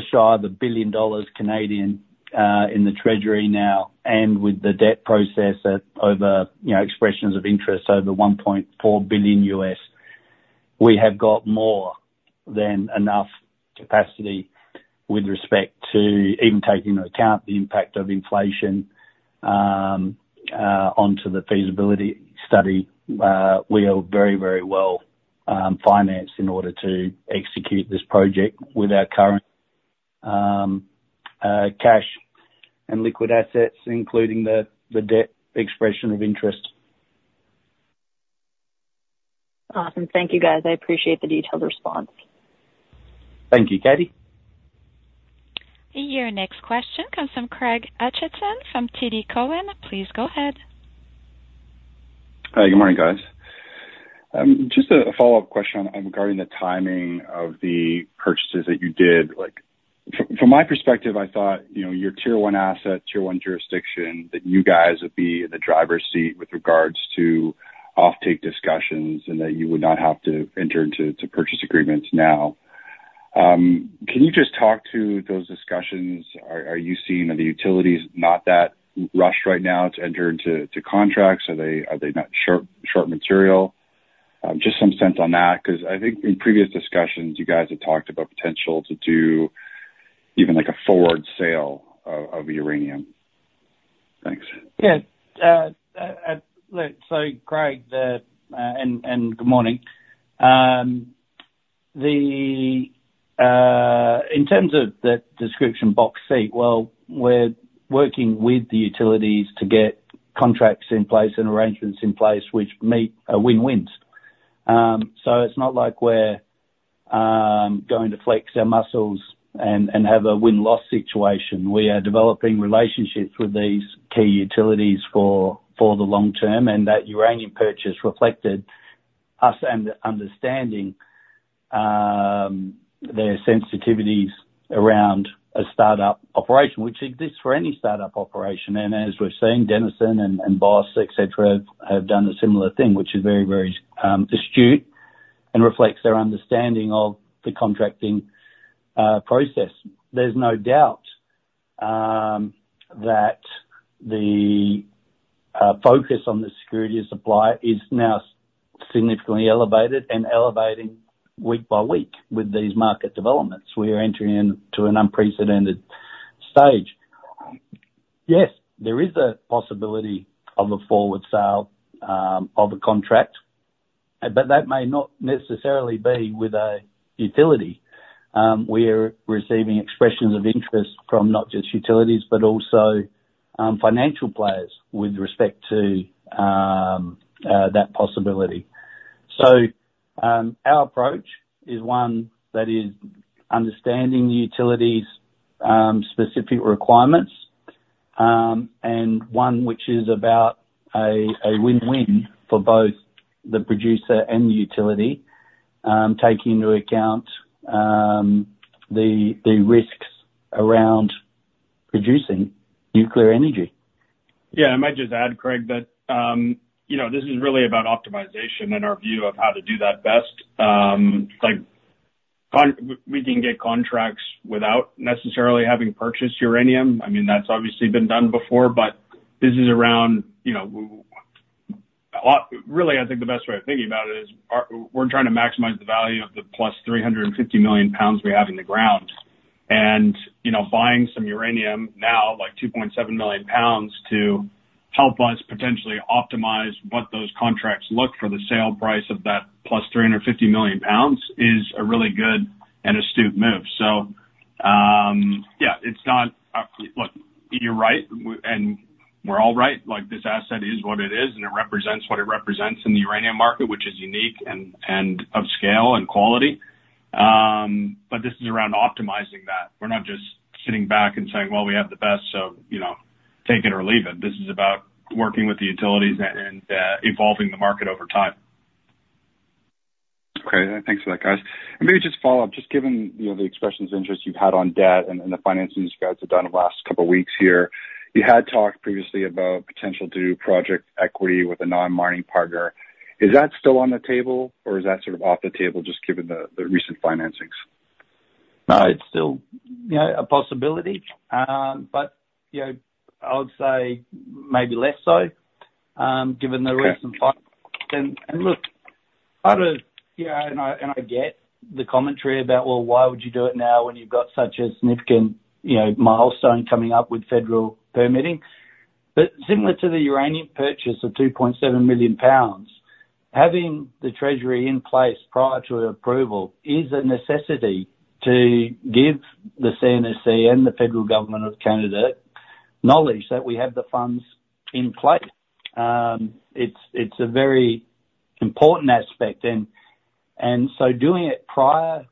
shy of 1 billion dollars in the treasury now, and with the debt process, expressions of interest over $1.4 billion, we have got more than enough capacity with respect to even taking into account the impact of inflation onto the feasibility study. We are very, very well financed in order to execute this project with our current cash and liquid assets, including the debt expression of interest. Awesome. Thank you, guys. I appreciate the detailed response. Thank you, Katie. Your next question comes from Craig Hutchison from TD Cowen. Please go ahead. Hi. Good morning, guys. Just a follow-up question on regarding the timing of the purchases that you did. Like, from my perspective, I thought, you know, your Tier One asset, Tier One jurisdiction, that you guys would be in the driver's seat with regards to offtake discussions and that you would not have to enter into purchase agreements now. Can you just talk to those discussions? Are you seeing are the utilities not that rushed right now to enter into contracts? Are they not short material? Just some sense on that, 'cause I think in previous discussions you guys have talked about potential to do even, like, a forward sale of uranium. Thanks. Yeah. So Craig, and good morning. In terms of the description box seat, well, we're working with the utilities to get contracts in place and arrangements in place which meet a win-wins. So it's not like we're going to flex our muscles and have a win-loss situation. We are developing relationships with these key utilities for the long term, and that uranium purchase reflected us understanding their sensitivities around a startup operation which exists for any startup operation. And as we're seeing, Denison and Boss, et cetera, have done a similar thing, which is very astute and reflects their understanding of the contracting process. There's no doubt that the focus on the security of supply is now significantly elevated and elevating week by week with these market developments. We are entering into an unprecedented stage. Yes, there is a possibility of a forward sale, of a contract, but that may not necessarily be with a utility. We're receiving expressions of interest from not just utilities, but also, financial players with respect to, that possibility. So, our approach is one that is understanding the utilities, specific requirements, and one which is about a win-win for both the producer and the utility, taking into account, the risks around producing nuclear energy. Yeah, I might just add, Craig, that, you know, this is really about optimization and our view of how to do that best. Like, we can get contracts without necessarily having purchased uranium. I mean, that's obviously been done before, but this is around, you know, really, I think the best way of thinking about it is we're trying to maximize the value of the plus 350 million pounds we have in the ground. And, you know, buying some uranium now, like 2.7 million pounds, to help us potentially optimize what those contracts look for the sale price of that, plus 350 million pounds, is a really good and astute move. So, yeah, it's not... Look, you're right, and we're all right, like, this asset is what it is, and it represents what it represents in the uranium market, which is unique and of scale and quality. But this is around optimizing that. We're not just sitting back and saying, "Well, we have the best, so, you know, take it or leave it." This is about working with the utilities and evolving the market over time. Okay. Thanks for that, guys. And maybe just follow up, just given, you know, the expressions and interest you've had on debt and, and the financings you guys have done the last couple weeks here. You had talked previously about potential to do project equity with a non-mining partner. Is that still on the table or is that sort of off the table, just given the, the recent financings? No, it's still, you know, a possibility. But, you know, I would say maybe less so, given the recent fi- Okay. And look, you know, I get the commentary about, "Well, why would you do it now, when you've got such a significant, you know, milestone coming up with federal permitting?" But similar to the uranium purchase of 2.7 million pounds, having the treasury in place prior to the approval is a necessity to give the CNSC and the federal government of Canada knowledge that we have the funds in place. It's a very important aspect, and so doing it prior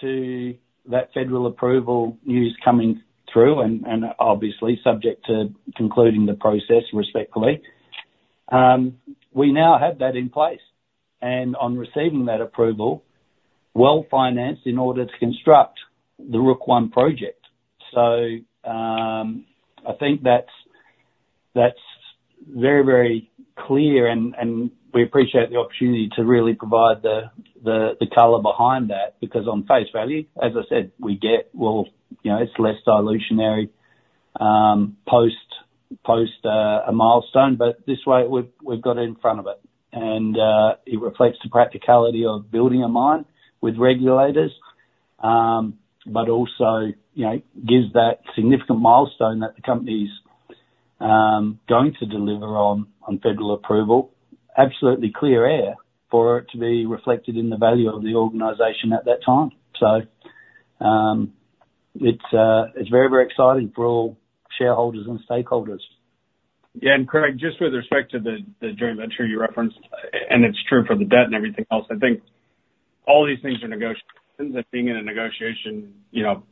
to that federal approval news coming through and obviously subject to concluding the process respectfully, we now have that in place, and on receiving that approval, well-financed in order to construct the Rook I project. So, I think that's very clear, and we appreciate the opportunity to really provide the color behind that. Because on face value, as I said, we get, well, you know, it's less dilutionary, post a milestone, but this way, we've got it in front of it. And, it reflects the practicality of building a mine with regulators, but also, you know, gives that significant milestone that the company's going to deliver on, federal approval. Absolutely clear air for it to be reflected in the value of the organization at that time. So, it's very exciting for all shareholders and stakeholders. Yeah, and Craig, just with respect to the joint venture you referenced, and it's true for the debt and everything else, I think all these things are negotiable. Things are being negotiated, you know,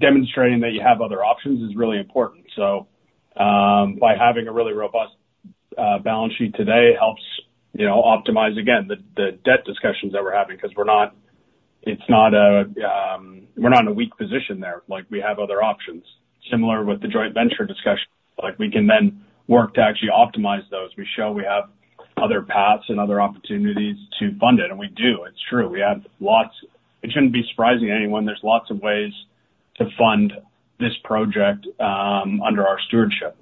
demonstrating that you have other options is really important. So, by having a really robust balance sheet today helps, you know, optimize, again, the debt discussions that we're having, because we're not in a weak position there, like, we have other options. Similar with the joint venture discussion, like, we can then work to actually optimize those. We show we have other paths and other opportunities to fund it, and we do, it's true. We have lots. It shouldn't be surprising to anyone, there's lots of ways to fund this project under our stewardship.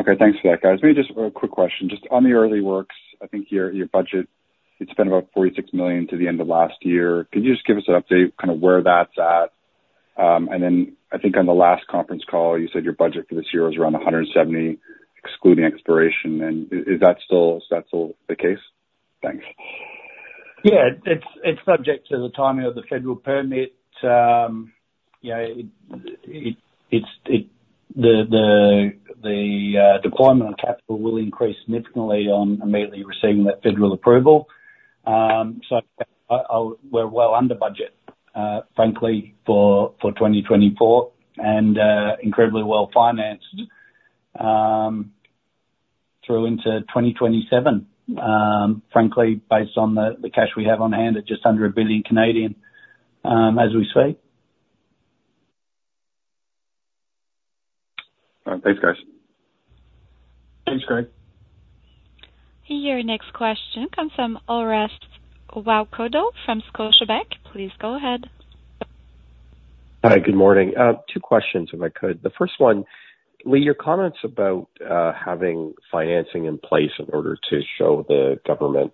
Okay, thanks for that, guys. Maybe just a quick question, just on the early works. I think your budget, you'd spent about 46 million to the end of last year. Can you just give us an update, kind of where that's at? And then I think on the last conference call, you said your budget for this year was around 170 million, excluding exploration. And is that still, is that still the case? Thanks. Yeah, it's subject to the timing of the federal permit. You know, it's the deployment of capital will increase significantly on immediately receiving that federal approval. So I'll-- we're well under budget, frankly, for 2024, and incredibly well-financed through into 2027, frankly, based on the cash we have on hand at just under 1 billion, as we speak. ...All right, thanks, guys. Thanks, Greg. Your next question comes from Orest Wowkodaw from Scotiabank. Please go ahead. Hi, good morning. Two questions, if I could. The first one: Lee, your comments about having financing in place in order to show the government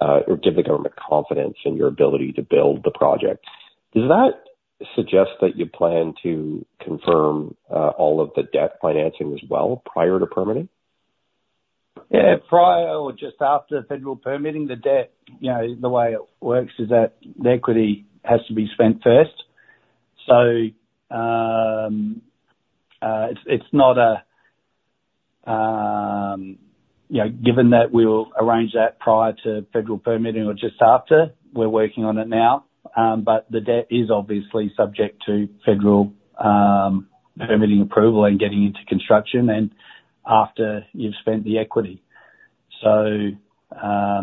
or give the government confidence in your ability to build the project, does that suggest that you plan to confirm all of the debt financing as well, prior to permitting? Yeah, prior or just after federal permitting, the debt, you know, the way it works is that the equity has to be spent first. So, it's not a... You know, given that we'll arrange that prior to federal permitting or just after, we're working on it now. But the debt is obviously subject to federal permitting approval and getting into construction and after you've spent the equity. So, I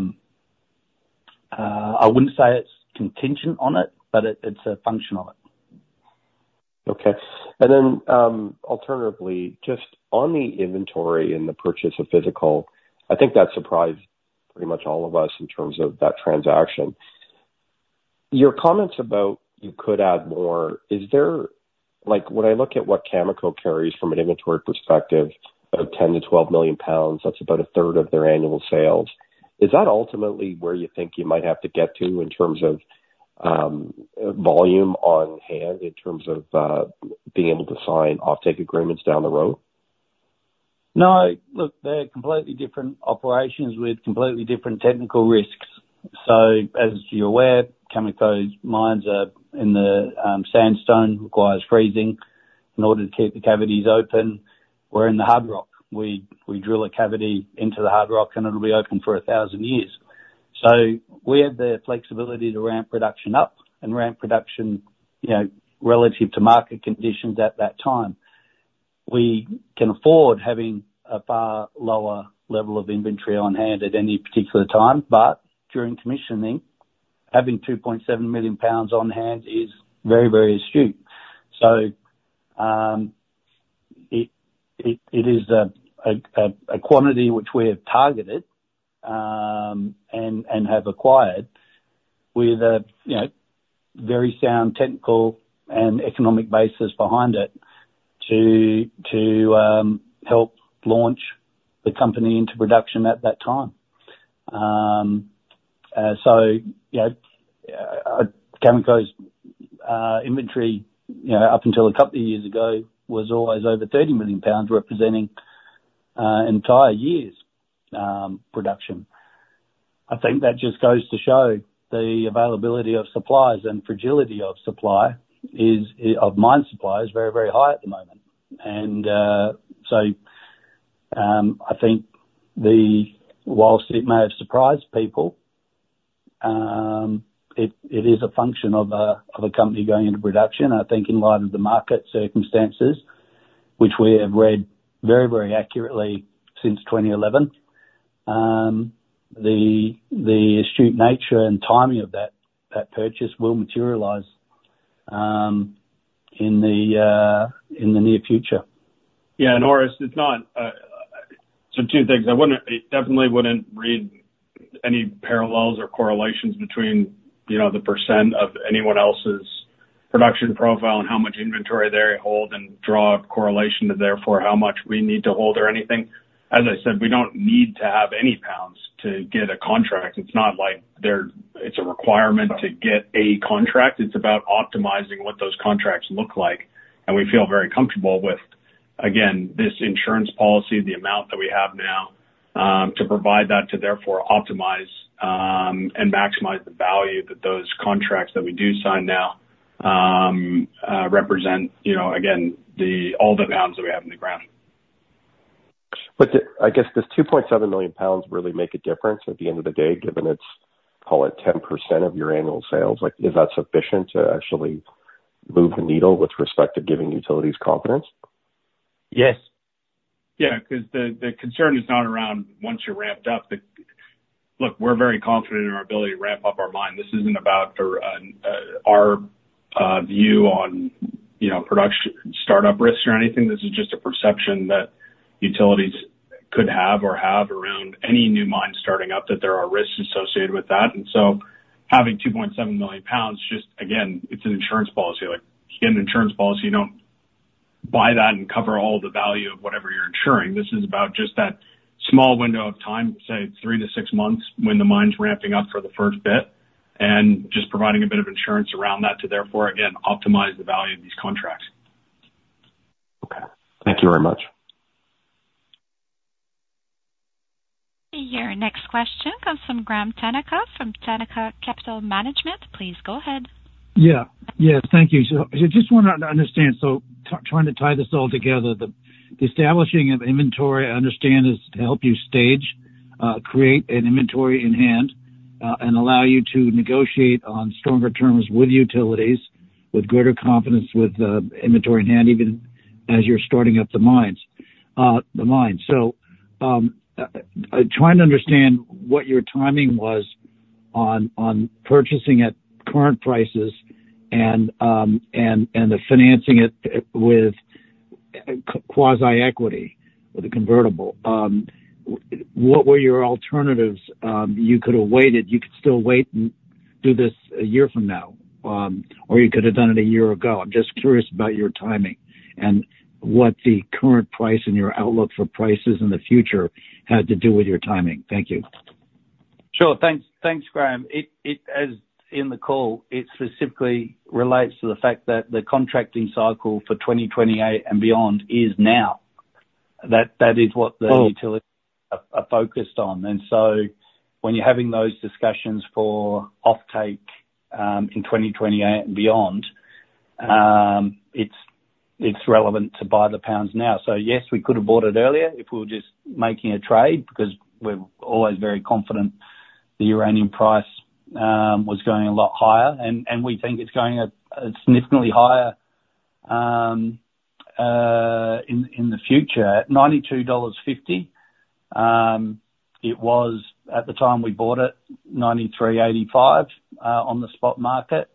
wouldn't say it's contingent on it, but it's a function of it. Okay. And then, alternatively, just on the inventory and the purchase of physical, I think that surprised pretty much all of us in terms of that transaction. Your comments about you could add more, is there-- like, when I look at what Cameco carries from an inventory perspective, about 10-12 million pounds, that's about a third of their annual sales. Is that ultimately where you think you might have to get to in terms of, volume on hand, in terms of, being able to sign offtake agreements down the road? No. Look, they're completely different operations with completely different technical risks. So as you're aware, Cameco's mines are in the sandstone requires freezing in order to keep the cavities open. We're in the hard rock. We drill a cavity into the hard rock, and it'll be open for 1,000 years. So we have the flexibility to ramp production up and ramp production, you know, relative to market conditions at that time. We can afford having a far lower level of inventory on hand at any particular time, but during commissioning, having 2.7 million pounds on hand is very, very astute. So it is a quantity which we have targeted and have acquired with a you know very sound technical and economic basis behind it to help launch the company into production at that time. So, you know, Cameco's inventory, you know, up until a couple of years ago, was always over 30 million pounds, representing an entire year's production. I think that just goes to show the availability of supplies and fragility of supply is of mine supply, is very, very high at the moment. So, I think whilst it may have surprised people, it is a function of a company going into production. I think in light of the market circumstances, which we have read very, very accurately since 2011, the astute nature and timing of that purchase will materialize in the near future. Yeah, Orest, it's not. So two things. I wouldn't, definitely wouldn't read any parallels or correlations between, you know, the percent of anyone else's production profile and how much inventory they hold, and draw a correlation to therefore how much we need to hold or anything. As I said, we don't need to have any pounds to get a contract. It's not like there, it's a requirement to get a contract. It's about optimizing what those contracts look like, and we feel very comfortable with, again, this insurance policy, the amount that we have now, to provide that to therefore optimize, and maximize the value that those contracts that we do sign now, represent, you know, again, the, all the amounts that we have in the ground. But the, I guess, does 2.7 million pounds really make a difference at the end of the day, given it's, call it, 10% of your annual sales? Like, is that sufficient to actually move the needle with respect to giving utilities confidence? Yes. Yeah, 'cause the concern is not around once you're ramped up. Look, we're very confident in our ability to ramp up our mine. This isn't about our view on, you know, production, startup risks or anything. This is just a perception that utilities could have or have around any new mine starting up, that there are risks associated with that. And so having 2.7 million pounds, just again, it's an insurance policy. Like, getting an insurance policy, you don't buy that and cover all the value of whatever you're insuring. This is about just that small window of time, say three to six months, when the mine's ramping up for the first bit, and just providing a bit of insurance around that to therefore, again, optimize the value of these contracts. Okay. Thank you very much. Your next question comes from Graham Tanaka, from Tanaka Capital Management. Please go ahead. Yeah. Yes, thank you. So I just wanted to understand, so trying to tie this all together, the establishing of inventory, I understand, is to help you stage, create an inventory in hand, and allow you to negotiate on stronger terms with utilities, with greater confidence, with inventory in hand, even as you're starting up the mines, the mines. So, trying to understand what your timing was on purchasing at current prices and the financing it with quasi-equity with a convertible. What were your alternatives? You could have waited. You could still wait and do this a year from now, or you could have done it a year ago. I'm just curious about your timing and what the current price and your outlook for prices in the future had to do with your timing. Thank you. Sure. Thanks, Graham. It, as in the call, it specifically relates to the fact that the contracting cycle for 2028 and beyond is now. That is what the- Well- Utilities are focused on. And so when you're having those discussions for offtake in 2028 and beyond, it's relevant to buy the pounds now. So yes, we could have bought it earlier if we were just making a trade, because we're always very confident the uranium price was going a lot higher, and we think it's going significantly higher in the future. At $92.50, it was at the time we bought it, $93.85 on the spot market.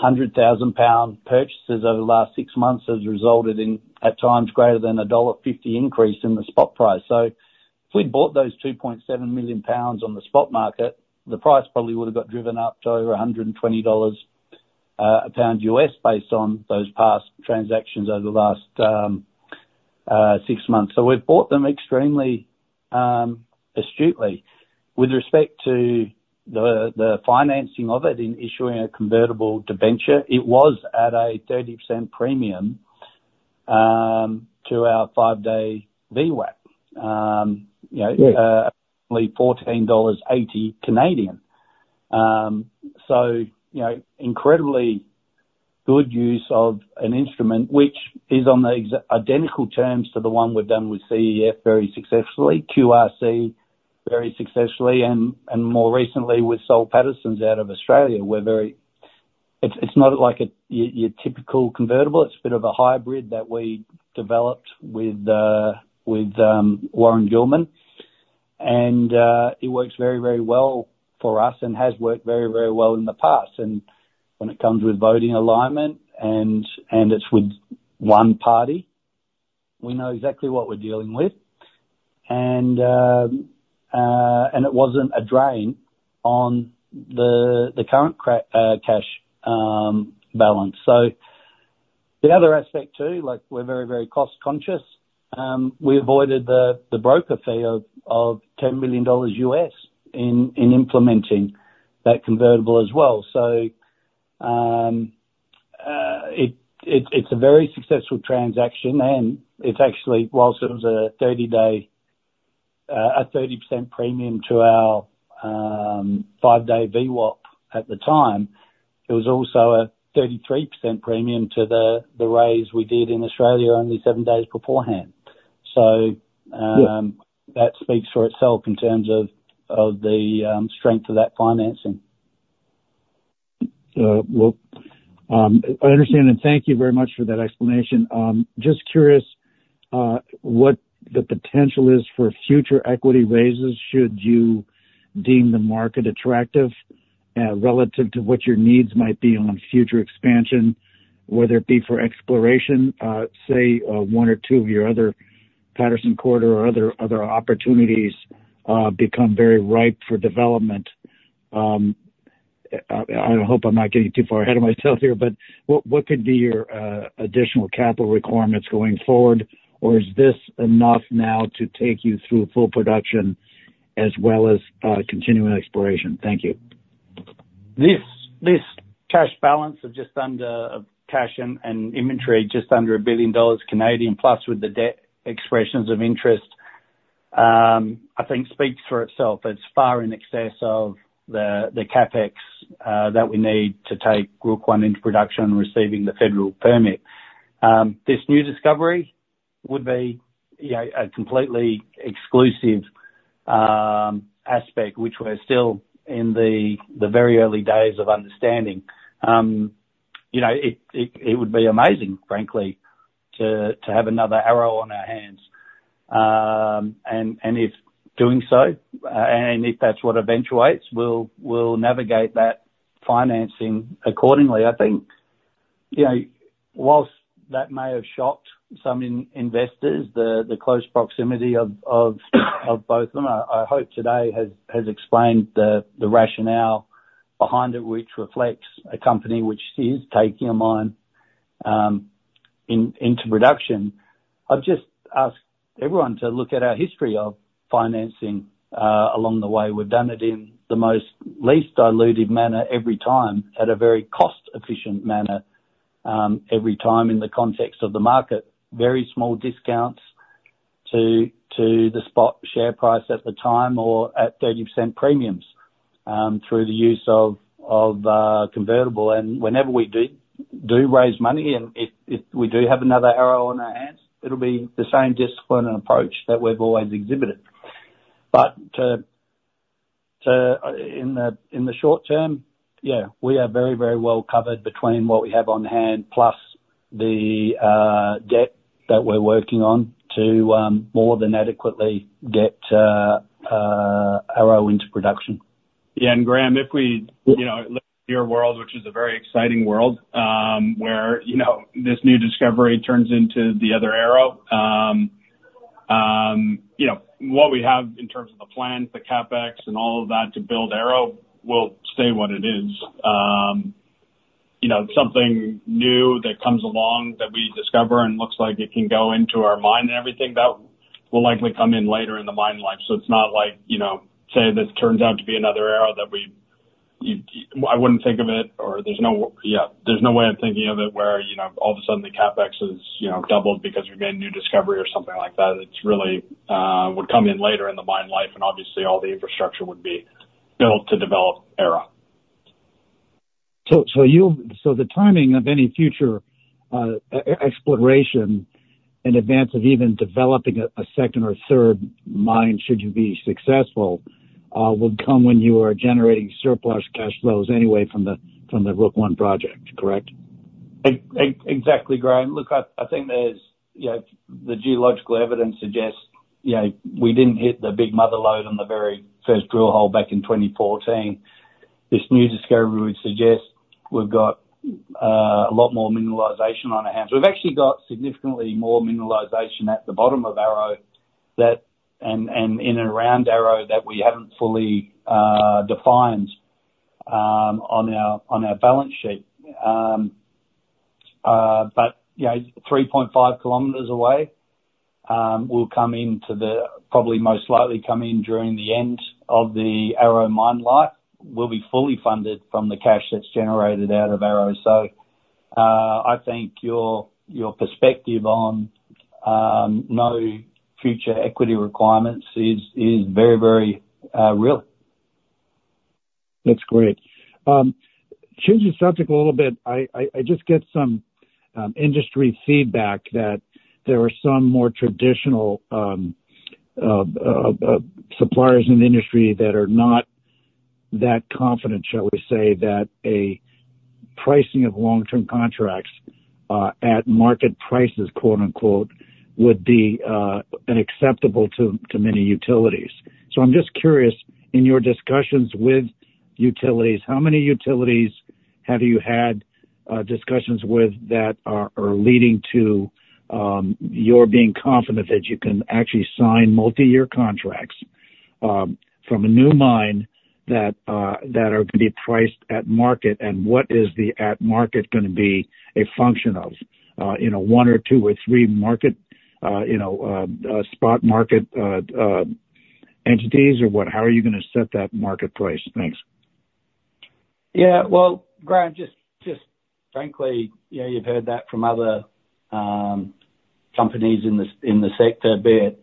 100,000 pound purchases over the last 6 months has resulted in, at times, greater than $1.50 increase in the spot price. So if we'd bought those 2.7 million pounds on the spot market, the price probably would have got driven up to over $120 a pound USD, based on those past transactions over the last six months. So we've bought them extremely astutely. With respect to the financing of it, in issuing a convertible debenture, it was at a 30% premium to our five-day VWAP. You know- Yeah... only 14.80 dollars. So, you know, incredibly good use of an instrument, which is on the exact identical terms to the one we've done with CEF very successfully, QRC very successfully, and more recently with Soul Pattinson out of Australia. We're very... It's not like your typical convertible, it's a bit of a hybrid that we developed with Warren Gilman. And it works very, very well for us and has worked very, very well in the past. And when it comes with voting alignment, and it's with one party, we know exactly what we're dealing with. And it wasn't a drain on the current cash balance. So the other aspect, too, like, we're very, very cost conscious. We avoided the broker fee of $10 million in implementing that convertible as well. So, it is a very successful transaction and it's actually, whilst it was a 30-day, a 30% premium to our 5-day VWAP at the time, it was also a 33% premium to the raise we did in Australia only 7 days beforehand. So, Yeah... that speaks for itself in terms of the strength of that financing. Well, I understand, and thank you very much for that explanation. Just curious, what the potential is for future equity raises, should you deem the market attractive, relative to what your needs might be on future expansion, whether it be for exploration, say, one or two of your other Patterson Corridor or other opportunities become very ripe for development. I hope I'm not getting too far ahead of myself here, but what could be your additional capital requirements going forward, or is this enough now to take you through full production as well as continuing exploration? Thank you. This cash balance of just under of cash and inventory, just under 1 billion dollars, plus with the debt expressions of interest, I think speaks for itself. It's far in excess of the CapEx that we need to take Rook I into production, receiving the federal permit. This new discovery would be, you know, a completely exclusive aspect, which we're still in the very early days of understanding. You know, it would be amazing, frankly, to have another Arrow on our hands. And if doing so, and if that's what eventuates, we'll navigate that financing accordingly. I think, you know, while that may have shocked some investors, the close proximity of both of them, I hope today has explained the rationale behind it, which reflects a company which is taking a mine into production. I'd just ask everyone to look at our history of financing along the way. We've done it in the least dilutive manner every time, at a very cost-efficient manner, every time in the context of the market. Very small discounts to the spot share price at the time, or at 30% premiums, through the use of convertible. And whenever we do raise money, and if we have another arrow on our hands, it'll be the same discipline and approach that we've always exhibited. But, so in the short term, yeah, we are very, very well covered between what we have on hand plus the debt that we're working on to more than adequately get Arrow into production. Yeah, and Graham, if we, you know, look at your world, which is a very exciting world, where, you know, this new discovery turns into the other Arrow, you know, what we have in terms of the plans, the CapEx, and all of that to build Arrow will stay what it is. You know, something new that comes along that we discover and looks like it can go into our mine and everything, that will likely come in later in the mine life. So it's not like, you know, say, this turns out to be another Arrow that we - I wouldn't think of it, or there's no - yeah, there's no way of thinking of it where, you know, all of a sudden the CapEx is, you know, doubled because you've got a new discovery or something like that. It's really would come in later in the mine life, and obviously all the infrastructure would be built to develop Arrow. So the timing of any future exploration in advance of even developing a second or third mine, should you be successful, would come when you are generating surplus cash flows anyway from the Rook I project, correct? Exactly, Graham. Look, I think there's, you know, the geological evidence suggests, you know, we didn't hit the big mother lode on the very first drill hole back in 2014. This new discovery would suggest we've got a lot more mineralization on our hands. We've actually got significantly more mineralization at the bottom of Arrow that and in and around Arrow, that we haven't fully defined on our balance sheet. But, you know, 3.5 kilometers away will come into the probably most likely come in during the end of the Arrow mine life, will be fully funded from the cash that's generated out of Arrow. So, I think your perspective on no future equity requirements is very, very real. That's great. Change the subject a little bit. I just get some industry feedback that there are some more traditional suppliers in the industry that are not that confident, shall we say, that a pricing of long-term contracts at market prices, quote, unquote, "would be unacceptable to many utilities." So I'm just curious, in your discussions with utilities, how many utilities have you had discussions with that are leading to your being confident that you can actually sign multi-year contracts from a new mine that are going to be priced at market? And what is the at market going to be a function of, you know, one or two or three market, you know, spot market entities, or what? How are you gonna set that market price? Thanks. Yeah. Well, Graham, just, just frankly, you know, you've heard that from other companies in the sector, be it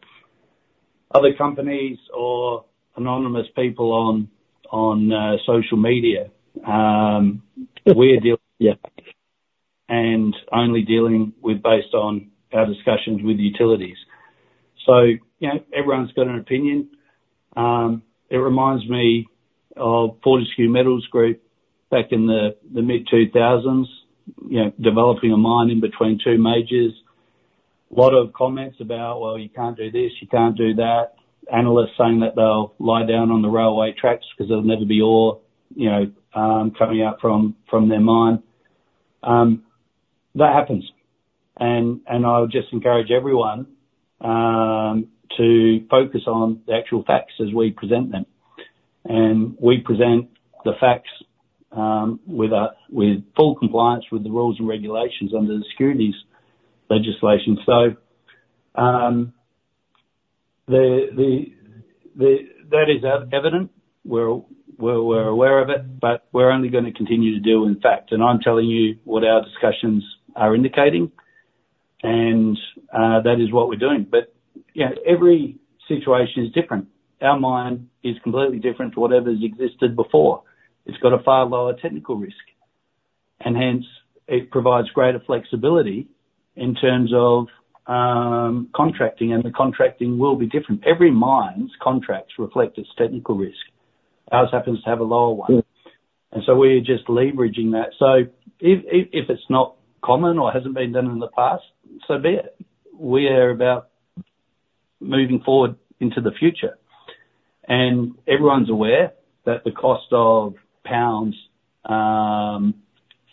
other companies or anonymous people on social media. We're only dealing with based on our discussions with utilities. So, you know, everyone's got an opinion. It reminds me of Fortescue Metals Group back in the mid-2000s, you know, developing a mine in between two majors. A lot of comments about, "Well, you can't do this, you can't do that." Analysts saying that they'll lie down on the railway tracks because there'll never be ore, you know, coming out from their mine. That happens, and I would just encourage everyone to focus on the actual facts as we present them. And we present the facts with full compliance with the rules and regulations under the securities legislation. So, that is evident. We're aware of it, but we're only gonna continue to deal with facts. And I'm telling you what our discussions are indicating, and that is what we're doing. But, you know, every situation is different. Our mine is completely different to whatever's existed before. It's got a far lower technical risk, and hence, it provides greater flexibility in terms of contracting, and the contracting will be different. Every mine's contracts reflect its technical risk. Ours happens to have a lower one, and so we're just leveraging that. So if it's not common or hasn't been done in the past, so be it. We are about moving forward into the future, and everyone's aware that the cost of pounds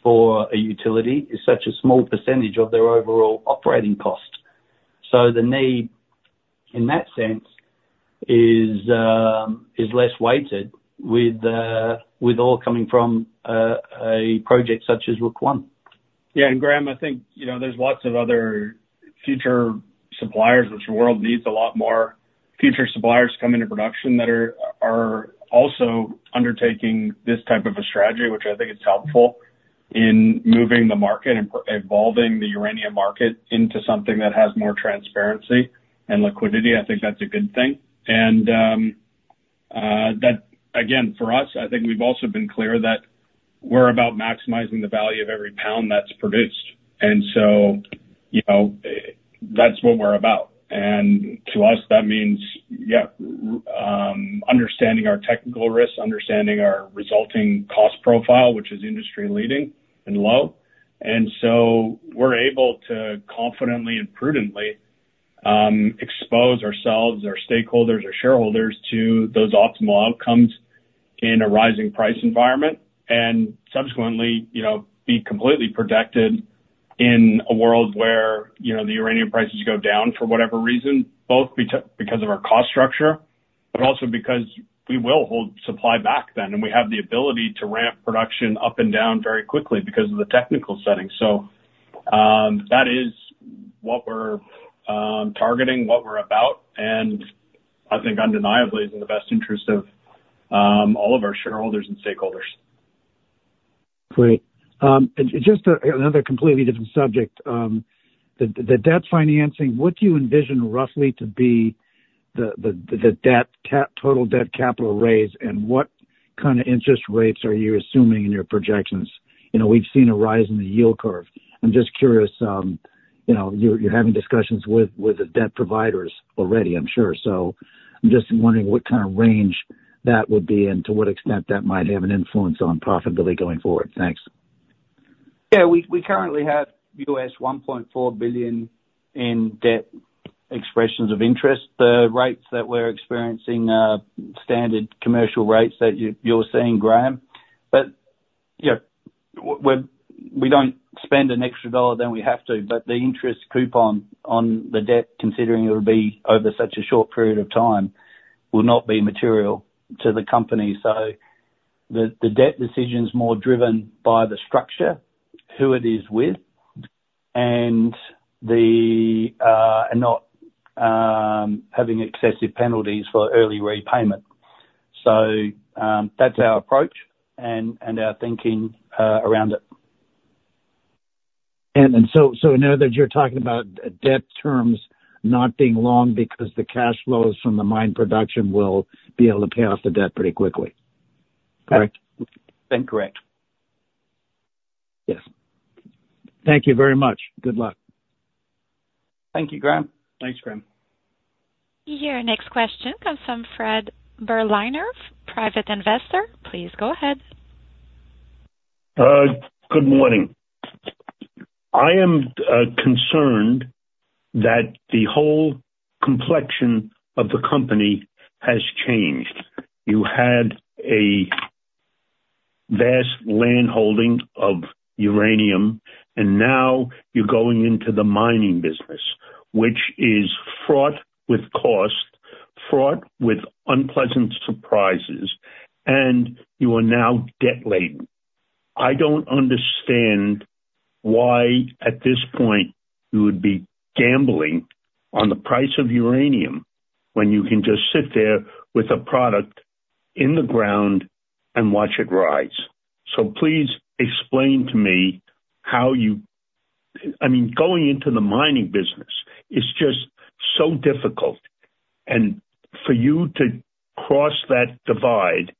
for a utility is such a small percentage of their overall operating cost. So the need, in that sense, is less weighted with all coming from a project such as Rook I. Yeah, and Graham, I think, you know, there's lots of other future suppliers, which the world needs a lot more future suppliers come into production that are also undertaking this type of a strategy, which I think is helpful in moving the market and evolving the uranium market into something that has more transparency and liquidity. I think that's a good thing. And that again, for us, I think we've also been clear that we're about maximizing the value of every pound that's produced. And so, you know, that's what we're about. And to us, that means, yeah, understanding our technical risks, understanding our resulting cost profile, which is industry-leading and low. And so we're able to confidently and prudently expose ourselves, our stakeholders, our shareholders, to those optimal outcomes in a rising price environment, and subsequently, you know, be completely protected in a world where, you know, the uranium prices go down for whatever reason, both because of our cost structure, but also because we will hold supply back then, and we have the ability to ramp production up and down very quickly because of the technical setting. That is what we're targeting, what we're about, and I think undeniably is in the best interest of all of our shareholders and stakeholders. Great. And just another completely different subject. The debt financing, what do you envision roughly to be the debt cap- total debt capital raise, and what kind of interest rates are you assuming in your projections? You know, we've seen a rise in the yield curve. I'm just curious, you know, you're having discussions with the debt providers already, I'm sure. So I'm just wondering what kind of range that would be and to what extent that might have an influence on profitability going forward. Thanks. Yeah, we currently have $1.4 billion in debt expressions of interest. The rates that we're experiencing are standard commercial rates that you're seeing, Graham. But, you know, we're, we don't spend an extra dollar than we have to, but the interest coupon on the debt, considering it'll be over such a short period of time, will not be material to the company. So the debt decision is more driven by the structure, who it is with, and not having excessive penalties for early repayment. So, that's our approach and our thinking around it. So, in other words, you're talking about debt terms not being long because the cash flows from the mine production will be able to pay off the debt pretty quickly, correct? Then correct. Yes. Thank you very much. Good luck. Thank you, Graham. Thanks, Graham. Your next question comes from Fred Berliner, private investor. Please go ahead. Good morning. I am concerned that the whole complexion of the company has changed. You had a vast land holding of uranium, and now you're going into the mining business, which is fraught with cost, fraught with unpleasant surprises, and you are now debt-laden. I don't understand why, at this point, you would be gambling on the price of uranium when you can just sit there with a product in the ground and watch it rise. So please explain to me how you... I mean, going into the mining business is just so difficult, and for you to cross that divide,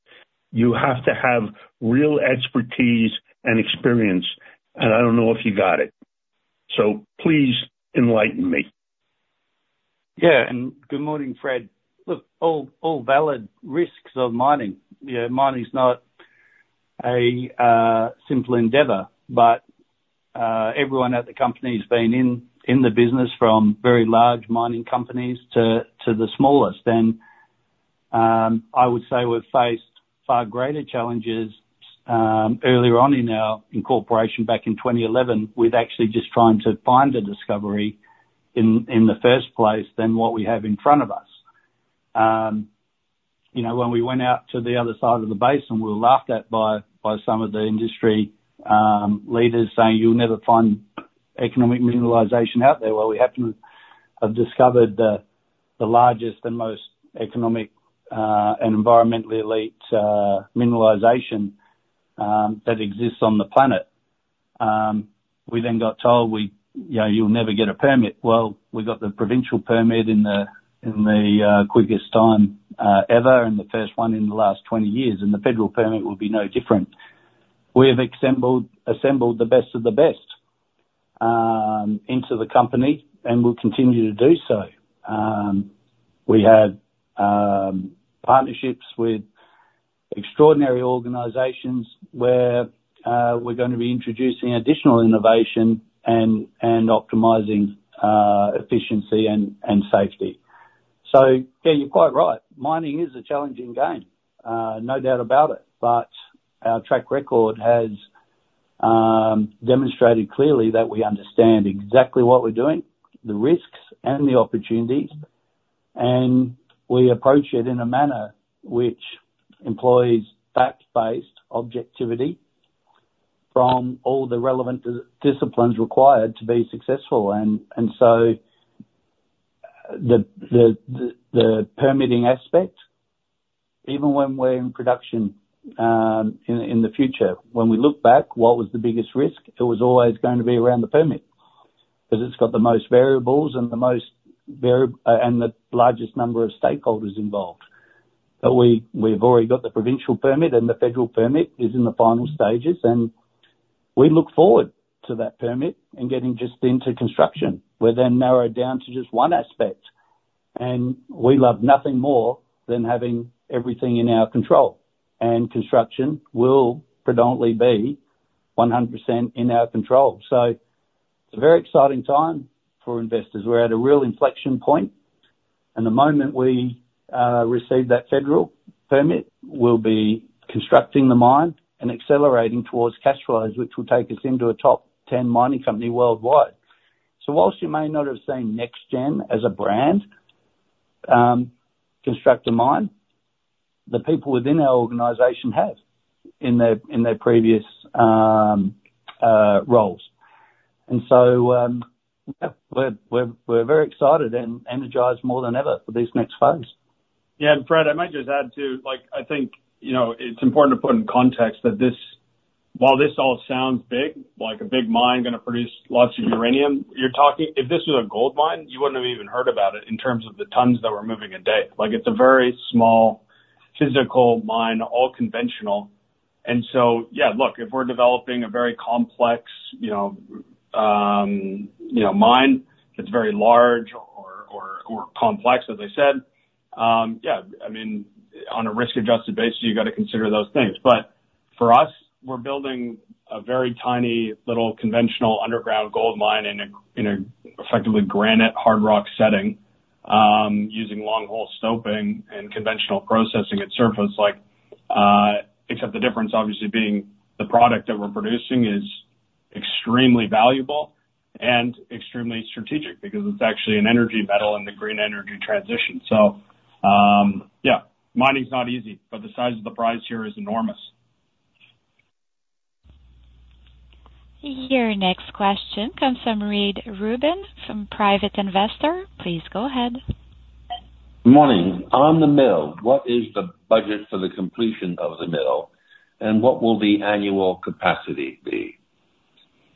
you have to have real expertise and experience, and I don't know if you got it. So please enlighten me. Yeah, and good morning, Fred. Look, all valid risks of mining. You know, mining is not a simple endeavor, but everyone at the company has been in the business from very large mining companies to the smallest. And I would say we've faced far greater challenges earlier on in our incorporation back in 2011, with actually just trying to find a discovery in the first place than what we have in front of us. You know, when we went out to the other side of the basin, we were laughed at by some of the industry leaders, saying, "You'll never find economic mineralization out there." Well, we happen to have discovered the largest and most economic and environmentally elite mineralization that exists on the planet. We then got told we, "You know, you'll never get a permit." Well, we got the provincial permit in the quickest time ever, and the first one in the last 20 years, and the federal permit will be no different. We have assembled the best of the best into the company and will continue to do so. We have partnerships with extraordinary organizations where we're gonna be introducing additional innovation and optimizing efficiency and safety. So yeah, you're quite right. Mining is a challenging game, no doubt about it, but our track record has demonstrated clearly that we understand exactly what we're doing, the risks and the opportunities, and we approach it in a manner which employs fact-based objectivity from all the relevant disciplines required to be successful. So the permitting aspect, even when we're in production, in the future, when we look back, what was the biggest risk? It was always going to be around the permit, because it's got the most variables and the largest number of stakeholders involved. But we've already got the provincial permit, and the federal permit is in the final stages, and we look forward to that permit and getting just into construction. We're then narrowed down to just one aspect, and we love nothing more than having everything in our control, and construction will predominantly be 100% in our control. So it's a very exciting time for investors. We're at a real inflection point, and the moment we receive that federal permit, we'll be constructing the mine and accelerating towards cash flows, which will take us into a top ten mining company worldwide. So while you may not have seen NexGen as a brand construct a mine, the people within our organization have in their previous roles. And so, yeah, we're very excited and energized more than ever for this next phase. Yeah, and Fred, I might just add, too, like, I think, you know, it's important to put in context that this—while this all sounds big, like a big mine gonna produce lots of uranium, you're talking... If this was a gold mine, you wouldn't have even heard about it in terms of the tons that we're moving a day. Like, it's a very small physical mine, all conventional. And so, yeah, look, if we're developing a very complex, you know, you know, mine that's very large or, or, or complex, as I said, yeah, I mean, on a risk-adjusted basis, you've got to consider those things. But for us, we're building a very tiny little conventional underground gold mine in a effectively granite hard rock setting, using long-hole stoping and conventional processing at surface like, except the difference obviously being the product that we're producing is extremely valuable and extremely strategic because it's actually an energy metal in the green energy transition. So, yeah, mining's not easy, but the size of the prize here is enormous. Your next question comes from Reid Rubin from Private Investor. Please go ahead. Morning. On the mill, what is the budget for the completion of the mill, and what will the annual capacity be?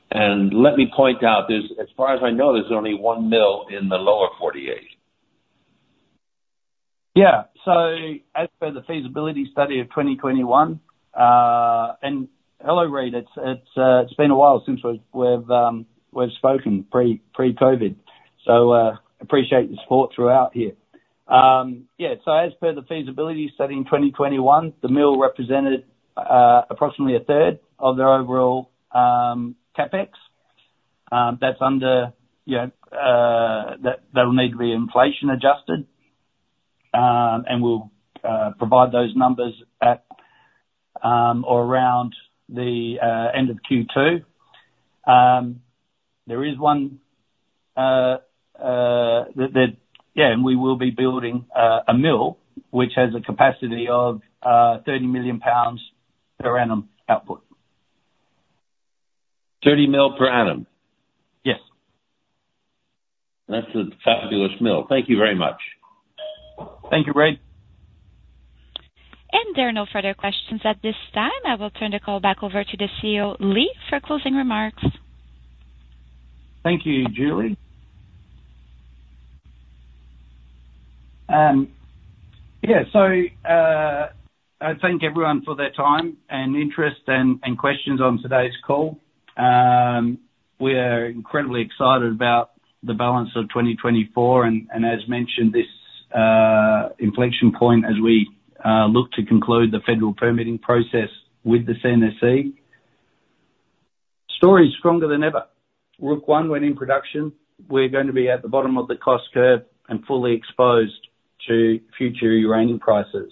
And let me point out, there's, as far as I know, there's only one mill in the Lower 48. Yeah. So as per the feasibility study of 2021, and hello, Reid, it's been a while since we've spoken pre-COVID, so appreciate the support throughout here. So as per the feasibility study in 2021, the mill represented approximately a third of their overall CapEx. That's under that will need to be inflation adjusted, and we'll provide those numbers at or around the end of Q2. There is one that... Yeah, and we will be building a mill which has a capacity of 30 million pounds per annum output. 30 million per annum? Yes. That's a fabulous mill. Thank you very much. Thank you, Reid. There are no further questions at this time. I will turn the call back over to the CEO, Leigh, for closing remarks. Thank you, Julie. Yeah, so, I thank everyone for their time and interest and, and questions on today's call. We are incredibly excited about the balance of 2024, and, as mentioned, this, inflection point as we, look to conclude the federal permitting process with the CNSC. Story is stronger than ever. Rook I went in production. We're going to be at the bottom of the cost curve and fully exposed to future uranium prices.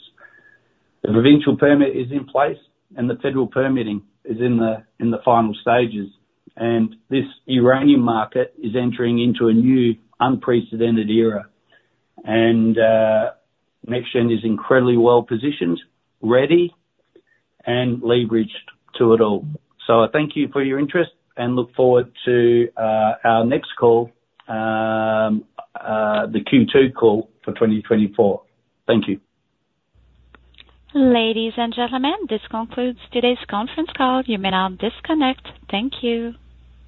The provincial permit is in place, and the federal permitting is in the final stages, and this uranium market is entering into a new, unprecedented era. NexGen is incredibly well positioned, ready, and leveraged to it all. So I thank you for your interest and look forward to, our next call, the Q2 call for 2024. Thank you. Ladies and gentlemen, this concludes today's conference call. You may now disconnect. Thank you.